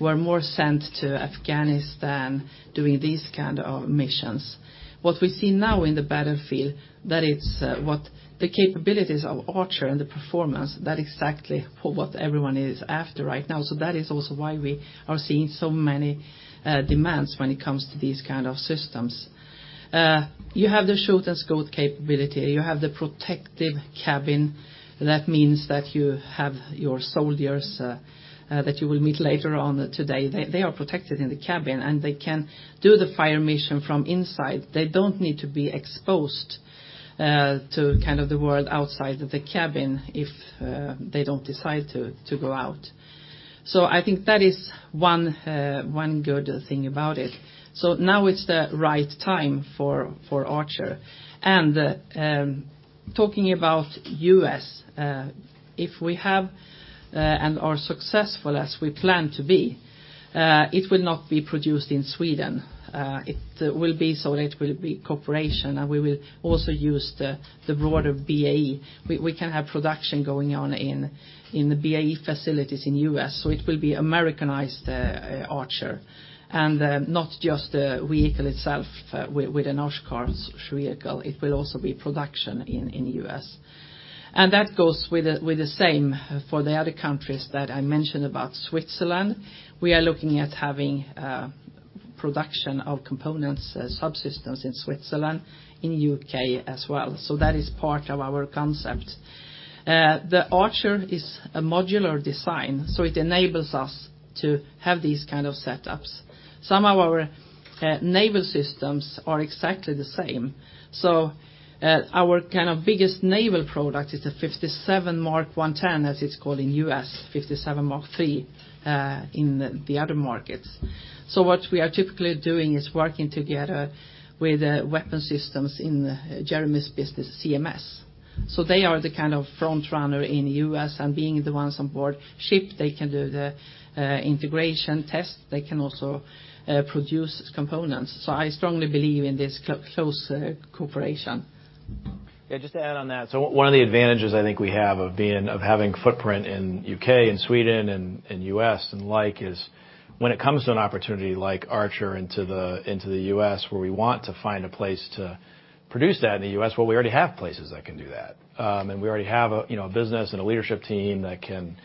were more sent to Afghanistan doing these kind of missions. What we see now in the battlefield, that it's what the capabilities of ARCHER and the performance, that exactly what everyone is after right now. That is also why we are seeing so many demands when it comes to these kind of systems. You have the shoot-and-scoot capability. You have the protective cabin, and that means that you have your soldiers that you will meet later on today. They are protected in the cabin, and they can do the fire mission from inside. They don't need to be exposed, to kind of the world outside of the cabin if they don't decide to go out. I think that is one good thing about it. Now it's the right time for ARCHER. Talking about U.S., if we have and are successful as we plan to be, it will not be produced in Sweden. It will be so that it will be cooperation, and we will also use the broader BAE. We can have production going on in the BAE facilities in U.S., so it will be Americanized ARCHER, and not just the vehicle itself with an Oshkosh vehicle, it will also be production in the U.S. That goes with the same for the other countries that I mentioned about Switzerland. We are looking at having production of components, subsystems in Switzerland, in UK as well, that is part of our concept. The ARCHER is a modular design, it enables us to have these kind of setups. Some of our naval systems are exactly the same. Our kind of biggest naval product is a 57 Mk 110, as it's called in U.S., 57 Mk 3 in the other markets. What we are typically doing is working together with weapon systems in Jeremy's business, CMS. They are the kind of front runner in U.S., and being the ones on board ship, they can do the integration test. They can also produce components. I strongly believe in this close cooperation. Just to add on that. One of the advantages I think we have of having footprint in U.K. and Sweden and U.S. and like, is when it comes to an opportunity like ARCHER into the U.S., where we want to find a place to produce that in the U.S., well, we already have places that can do that. We already have a, you know, a business and a leadership team that can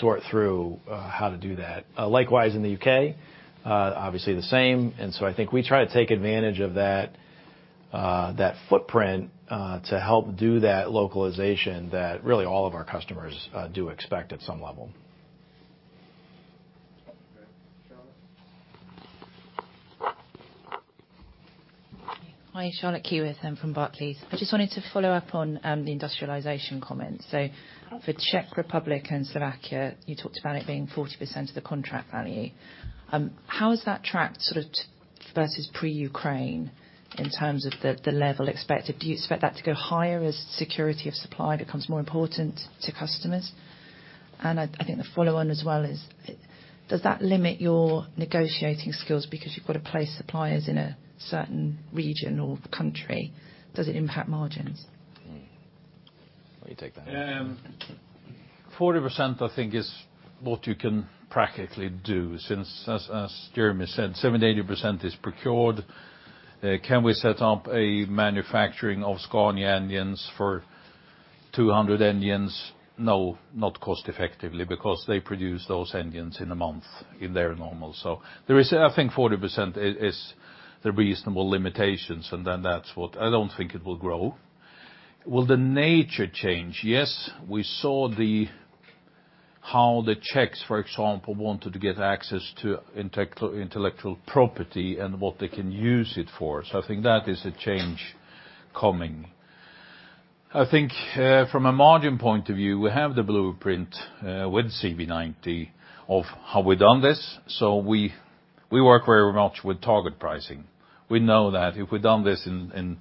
sort through how to do that. Likewise, in the U.K., obviously, the same. I think we try to take advantage of that footprint to help do that localization that really all of our customers do expect at some level. Okay. Charlotte? Hi, Charlotte Keyworth, I'm from Barclays. I just wanted to follow up on the industrialization comments. For Czech Republic and Slovakia, you talked about it being 40% of the contract value. How has that tracked sort of versus pre-Ukraine in terms of the level expected? Do you expect that to go higher as security of supply becomes more important to customers? I think the follow on as well is, does that limit your negotiating skills because you've got to place suppliers in a certain region or country? Does it impact margins? Will you take that? Um- 40%, I think, is what you can practically do, since as Jeremy said, 70%-80% is procured. Can we set up a manufacturing of Scania engines for 200 engines? No, not cost effectively, because they produce those engines in a month in their normal. I think 40% is the reasonable limitations. I don't think it will grow. Will the nature change? Yes, we saw how the Czechs, for example, wanted to get access to intellectual property and what they can use it for, so I think that is a change coming. I think from a margin point of view, we have the blueprint with CV90 of how we've done this, so we work very much with target pricing. We know that if we've done this in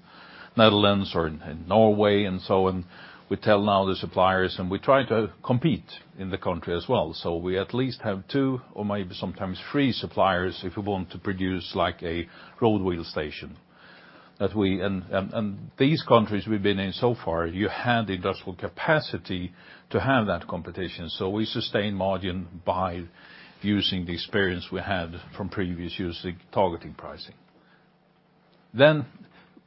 Netherlands or in Norway and so on, we tell now the suppliers, and we try to compete in the country as well. We at least have two or maybe sometimes three suppliers if we want to produce, like, a roadwheel station. These countries we've been in so far, you have the industrial capacity to have that competition, so we sustain margin by using the experience we had from previous years in targeting pricing.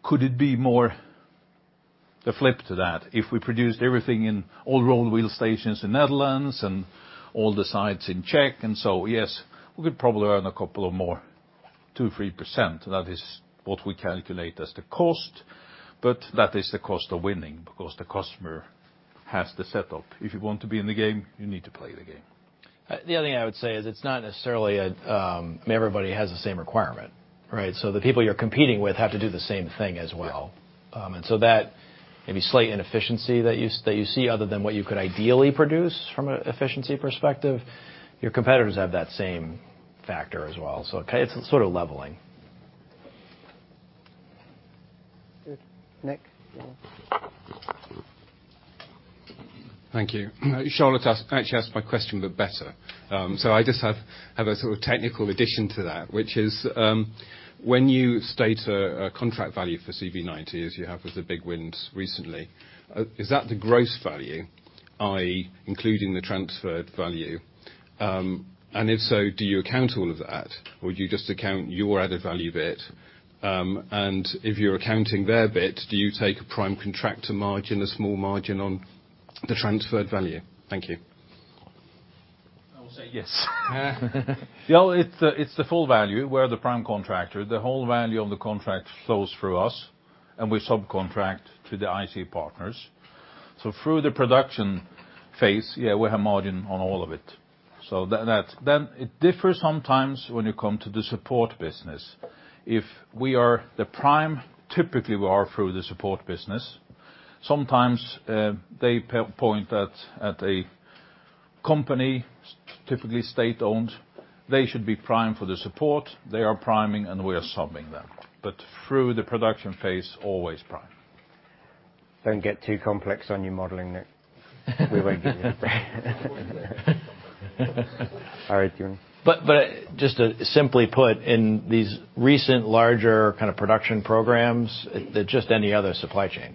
Could it be more the flip to that? If we produced everything in all roadwheel stations in Netherlands and all the sites in Czech, and so, yes, we could probably earn a couple of more, 2%, 3%. That is what we calculate as the cost, but that is the cost of winning because the customer has the setup. If you want to be in the game, you need to play the game. The other thing I would say is it's not necessarily a, everybody has the same requirement, right? The people you're competing with have to do the same thing as well. Yeah. Maybe slight inefficiency that you see other than what you could ideally produce from an efficiency perspective, your competitors have that same factor as well. It's sort of leveling. Good. Nick? Thank you. Charlotte asked, actually asked my question, but better. I just have a sort of technical addition to that, which is, when you state a contract value for CV90, as you have with the big wins recently, is that the gross value, i.e., including the transferred value? If so, do you count all of that, or do you just count your added value bit? If you're accounting their bit, do you take a prime contractor margin, a small margin on the transferred value? Thank you. I will say yes. Yeah, well, it's the full value. We're the prime contractor. The whole value of the contract flows through us, we subcontract to the IC partners. Through the production phase, yeah, we have margin on all of it. That's. It differs sometimes when you come to the support business. If we are the prime, typically we are through the support business, sometimes, they point at a company, typically state-owned, they should be prime for the support. They are priming, we are subbing them. Through the production phase, always prime. Don't get too complex on your modeling, Nick. We won't give you a break. All right, Jeremy. Just to simply put, in these recent larger kind of production programs, they're just any other supply chain.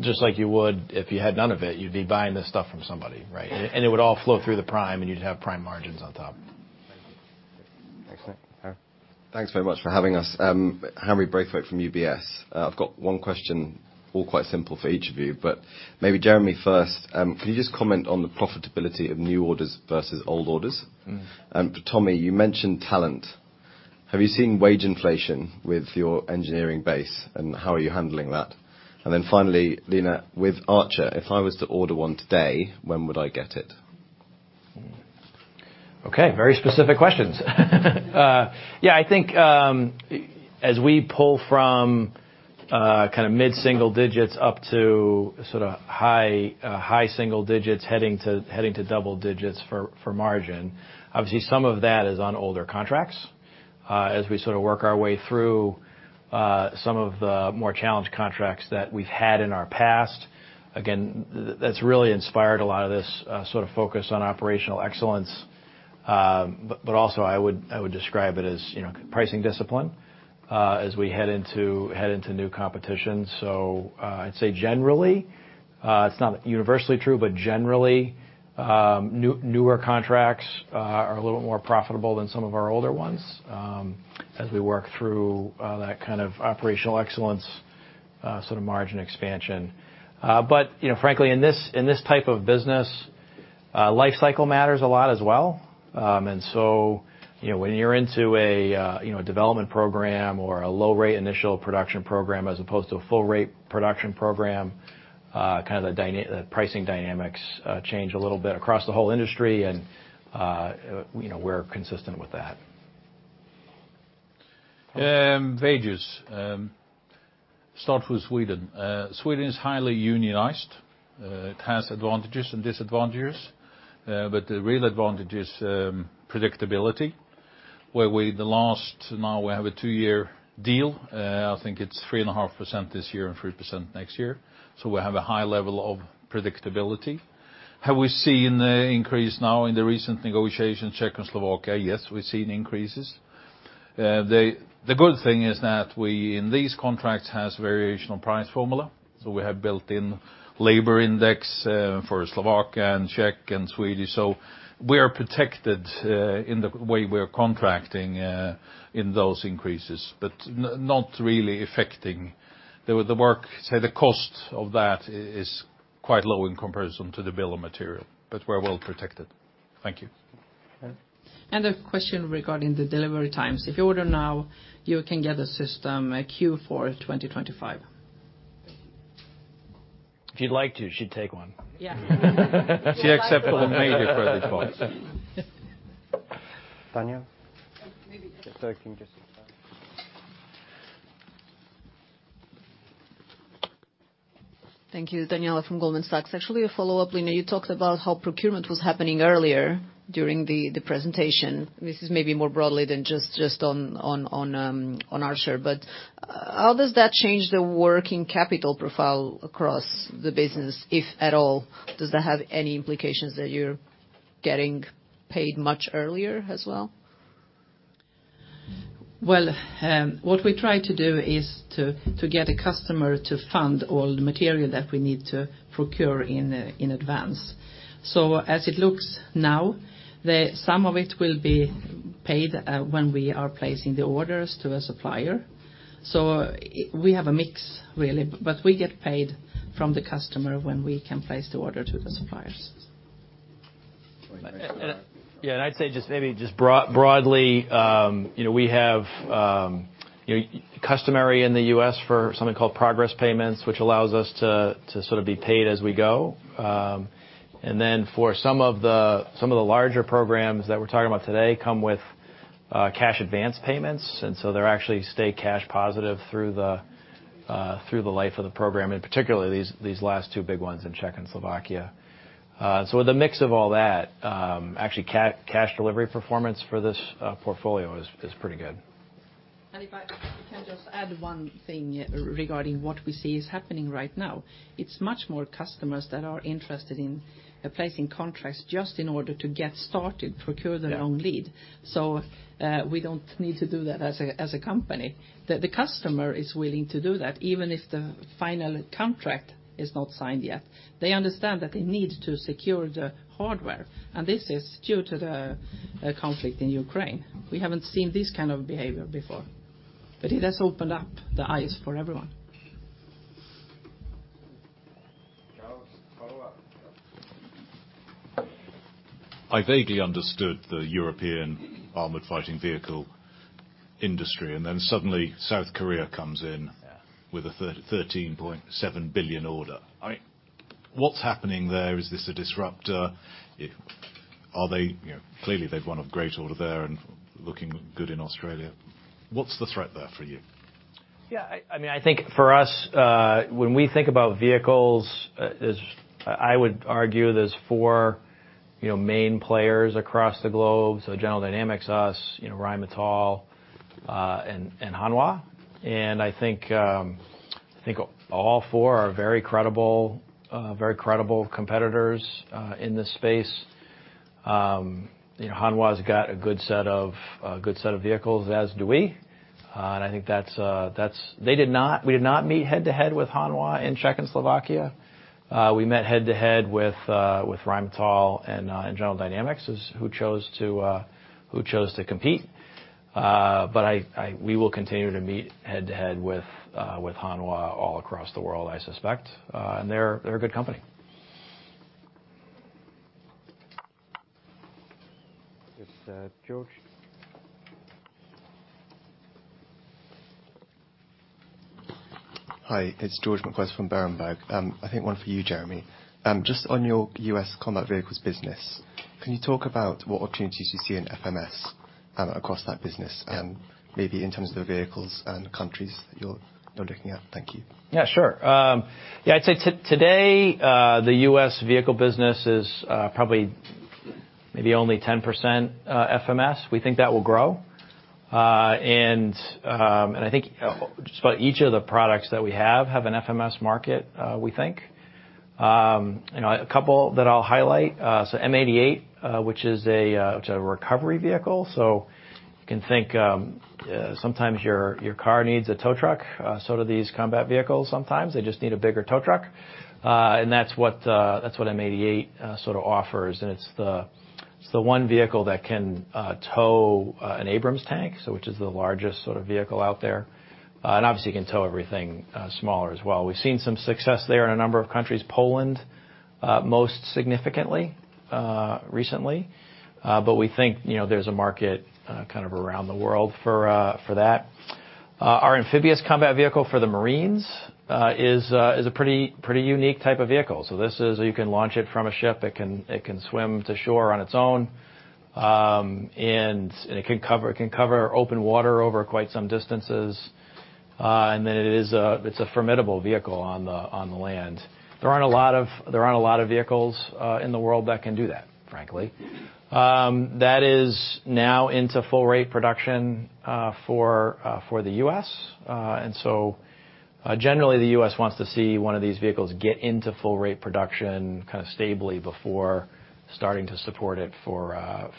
Just like you would if you had none of it, you'd be buying this stuff from somebody, right? It would all flow through the prime, and you'd have prime margins on top. Thank you. Next. Thanks very much for having us. A.J. Rice from UBS. I've got one question, all quite simple for each of you, but maybe Jeremy first. Can you just comment on the profitability of new orders versus old orders? Mm. Tommy, you mentioned talent. Have you seen wage inflation with your engineering base, and how are you handling that? Finally, Lina, with ARCHER, if I was to order one today, when would I get it? Okay, very specific questions. Yeah, I think, as we pull from kind of mid-single digits up to sort of high, high single digits, heading to double digits for margin, obviously, some of that is on older contracts. As we sort of work our way through some of the more challenged contracts that we've had in our past, again, that's really inspired a lot of this sort of focus on operational excellence. Also I would describe it as, you know, pricing discipline, as we head into new competition. I'd say generally, it's not universally true, but generally, newer contracts are a little more profitable than some of our older ones, as we work through that kind of operational excellence sort of margin expansion. You know, frankly, in this, in this type of business, life cycle matters a lot as well. You know, when you're into a, you know, a development program or a low rate initial production program as opposed to a full rate production program, kind of the pricing dynamics change a little bit across the whole industry, you know, we're consistent with that. Wages. Start with Sweden. Sweden is highly unionized. It has advantages and disadvantages, but the real advantage is predictability, where we, the last... Now we have a two-year deal. I think it's 3.5% this year and 3% next year, so we have a high level of predictability. Have we seen an increase now in the recent negotiations, Czech and Slovakia? Yes, we've seen increases. The good thing is that we, in these contracts, has variational price formula, so we have built in labor index for Slovak and Czech and Swedish. So we are protected in the way we are contracting in those increases, but not really affecting the work. Say, the cost of that is quite low in comparison to the bill of material, but we're well protected. Thank you. Lina? A question regarding the delivery times. If you order now, you can get the system at Q4 2025. Thank you. If you'd like to, she'd take one. Yeah. She accepted a major project for us. Daniela Thank you. Daniela from Goldman Sachs. Actually, a follow-up, Lina. You talked about how procurement was happening earlier during the presentation. This is maybe more broadly than just on ARCHER, how does that change the working capital profile across the business, if at all? Does that have any implications that you're getting paid much earlier as well? What we try to do is to get a customer to fund all the material that we need to procure in advance. As it looks now, some of it will be paid when we are placing the orders to a supplier. We have a mix, really, but we get paid from the customer when we can place the order to the suppliers. Yeah, I'd say just maybe, just broadly, you know, we have, you know, customary in the U.S. for something called progress payments, which allows us to sort of be paid as we go. For some of the larger programs that we're talking about today come with cash advance payments. They actually stay cash positive through the life of the program, and particularly these last two big ones in Czech and Slovakia. With a mix of all that, actually cash delivery performance for this portfolio is pretty good. If I can just add one thing regarding what we see is happening right now. It's much more customers that are interested in placing contracts just in order to get started, procure their own lead. We don't need to do that as a, as a company. The, the customer is willing to do that, even if the final contract is not signed yet. They understand that they need to secure the hardware, and this is due to the conflict in Ukraine. We haven't seen this kind of behavior before, but it has opened up the eyes for everyone. Charles, follow-up. I vaguely understood the European armored fighting vehicle industry, and then suddenly, South Korea comes in. Yeah With a 13.7 billion order. I mean, what's happening there? Is this a disruptor? Are they, you know, clearly, they've won a great order there and looking good in Australia. What's the threat there for you? Yeah, I mean, I think for us, when we think about vehicles, is I would argue there's four, you know, main players across the globe, so General Dynamics, us, you know, Rheinmetall, and Hanwha. I think all four are very credible competitors in this space. You know, Hanwha's got a good set of vehicles, as do we, and I think that's. We did not meet head-to-head with Hanwha in Czech and Slovakia. We met head-to-head with Rheinmetall and General Dynamics, who chose to compete. We will continue to meet head-to-head with Hanwha all across the world, I suspect, and they're a good company. Yes, George? Hi, it's George Zhao from Berenberg. I think one for you, Jeremy. Just on your U.S. Combat Vehicles business, can you talk about what opportunities you see in FMS across that business, and maybe in terms of the vehicles and countries you're looking at? Thank you. Sure. I'd say today, the U.S. vehicle business is probably maybe only 10% FMS. We think that will grow. I think just about each of the products that we have an FMS market, we think. You know, a couple that I'll highlight, M88, which is a recovery vehicle. You can think, sometimes your car needs a tow truck, so do these combat vehicles, sometimes they just need a bigger tow truck. That's what M88 sort of offers, and it's the one vehicle that can tow an Abrams tank, which is the largest sort of vehicle out there. Obviously, it can tow everything smaller as well. We've seen some success there in a number of countries, Poland, most significantly, recently, but we think, you know, there's a market kind of around the world for for that. Our Amphibious Combat Vehicle for the Marines is a pretty unique type of vehicle. This is, you can launch it from a ship, it can swim to shore on its own, and it can cover open water over quite some distances, and then it's a formidable vehicle on the land. There aren't a lot of vehicles in the world that can do that, frankly. That is now into full rate production for the U.S. Generally, the U.S. wants to see one of these vehicles get into full rate production, kind of stably before starting to support it for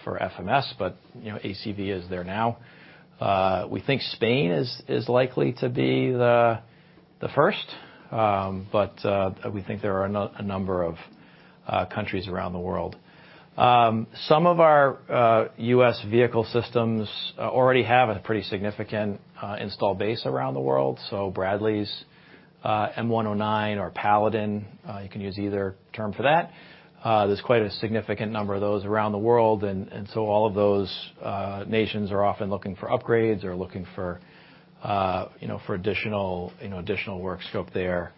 FMS, but, you know, ACV is there now. We think Spain is likely to be the first. We think there are a number of countries around the world. Some of our U.S. vehicle systems already have a pretty significant install base around the world. Bradleys, M109, or Paladin, you can use either term for that. There's quite a significant number of those around the world, and so all of those nations are often looking for upgrades or looking for, you know, for additional, you know, additional work scope there.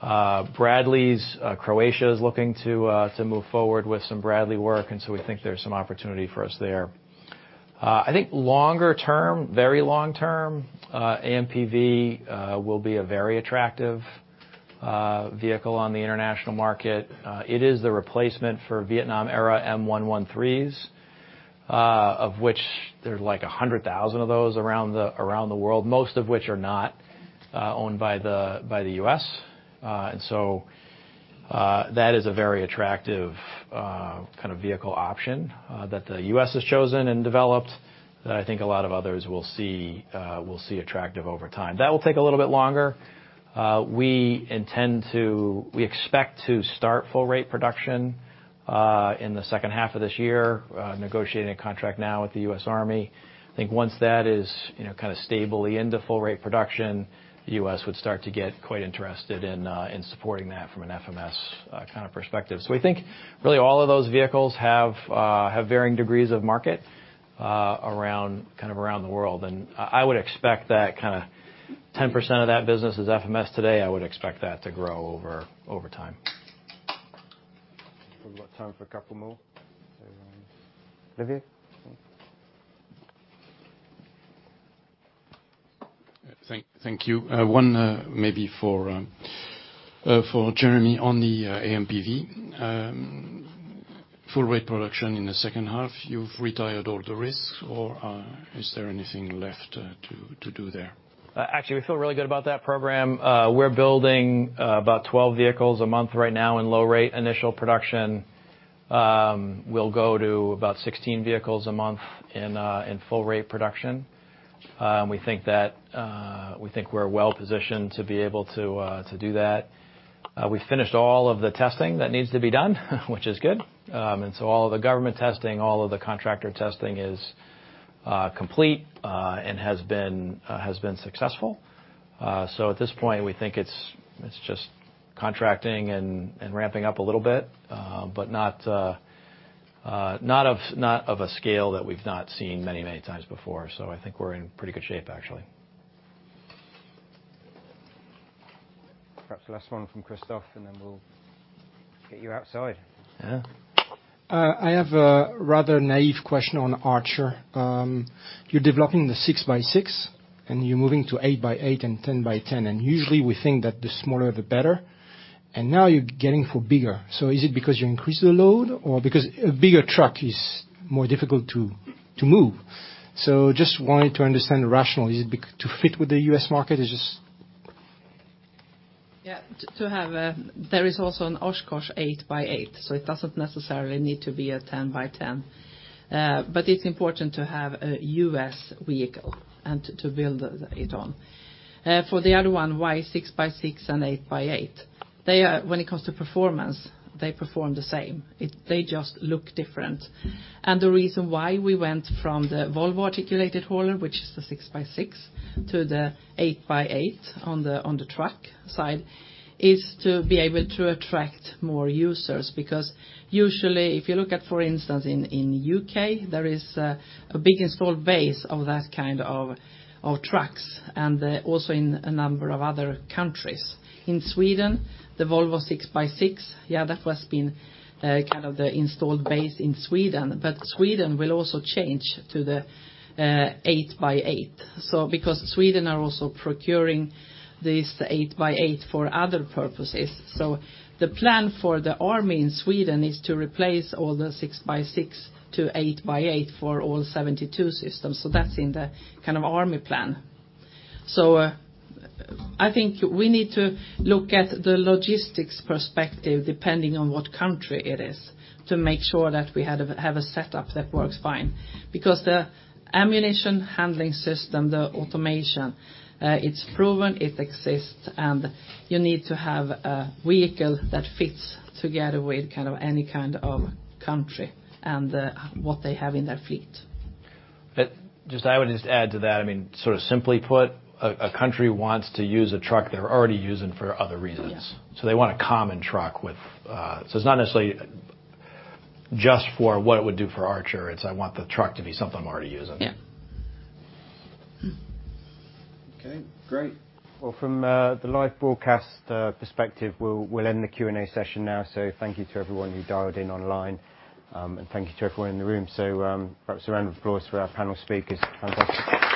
Bradleys, Croatia is looking to move forward with some Bradley work. We think there's some opportunity for us there. I think longer term, very long term, AMPV will be a very attractive vehicle on the international market. It is the replacement for Vietnam-era M113s, of which there's, like, 100,000 of those around the world, most of which are not owned by the U.S. That is a very attractive kind of vehicle option that the U.S. has chosen and developed, that I think a lot of others will see will see attractive over time. That will take a little bit longer. We expect to start full rate production in the second half of this year, negotiating a contract now with the U.S. Army. I think once that is, you know, kind of stably into full rate production, the U.S. would start to get quite interested in supporting that from an FMS kind of perspective. We think really, all of those vehicles have varying degrees of market around, kind of around the world. I would expect that kind of 10% of that business is FMS today. I would expect that to grow over time. We've got time for a couple more. Olivier? Thank you. One, maybe for Jeremy on the AMPV. Full rate production in the second half, you've retired all the risks, or is there anything left to do there? Actually, we feel really good about that program. We're building about 12 vehicles a month right now in low-rate initial production. We'll go to about 16 vehicles a month in full rate production. We think that we think we're well positioned to be able to do that. We finished all of the testing that needs to be done, which is good. All of the government testing, all of the contractor testing is complete and has been successful. At this point, we think it's just contracting and ramping up a little bit, but not of a scale that we've not seen many, many times before. I think we're in pretty good shape, actually. Perhaps the last one from Christophe, and then we'll get you outside. Yeah. I have a rather naive question on ARCHER. You're developing the 6x6, you're moving to 8x8 and 10x10, and usually we think that the smaller, the better, and now you're getting for bigger. Is it because you increase the load or because a bigger truck is more difficult to move? Just wanted to understand the rationale. Is it to fit with the U.S. market? Yeah. To have, there is also an Oshkosh 8x8, so it doesn't necessarily need to be a 10x10. It's important to have a U.S. vehicle and to build it on. For the other one, why 6x6 and 8x8? When it comes to performance, they perform the same. They just look different. The reason why we went from the Volvo articulated hauler, which is the 6x6, to the 8x8 on the truck side, is to be able to attract more users. Usually, if you look at, for instance, in U.K., there is a big installed base of that kind of trucks, and also in a number of other countries. In Sweden, the Volvo 6x6, yeah, that has been kind of the installed base in Sweden. Sweden will also change to the 8x8 because Sweden are also procuring this 8x8 for other purposes. The plan for the army in Sweden is to replace all the 6x6 to 8x8 for all 72 systems. That's in the kind of army plan. I think we need to look at the logistics perspective, depending on what country it is, to make sure that we have a setup that works fine. The ammunition handling system, the automation, it's proven, it exists, and you need to have a vehicle that fits together with kind of any kind of country and what they have in their fleet. I would just add to that, I mean, sort of simply put, a country wants to use a truck they're already using for other reasons. Yeah. They want a common truck with. It's not necessarily just for what it would do for ARCHER, it's I want the truck to be something I'm already using. Yeah. Okay, great. Well, from the live broadcast perspective, we'll end the Q&A session now. Thank you to everyone who dialed in online, and thank you to everyone in the room. Perhaps a round of applause for our panel speakers. Thank you.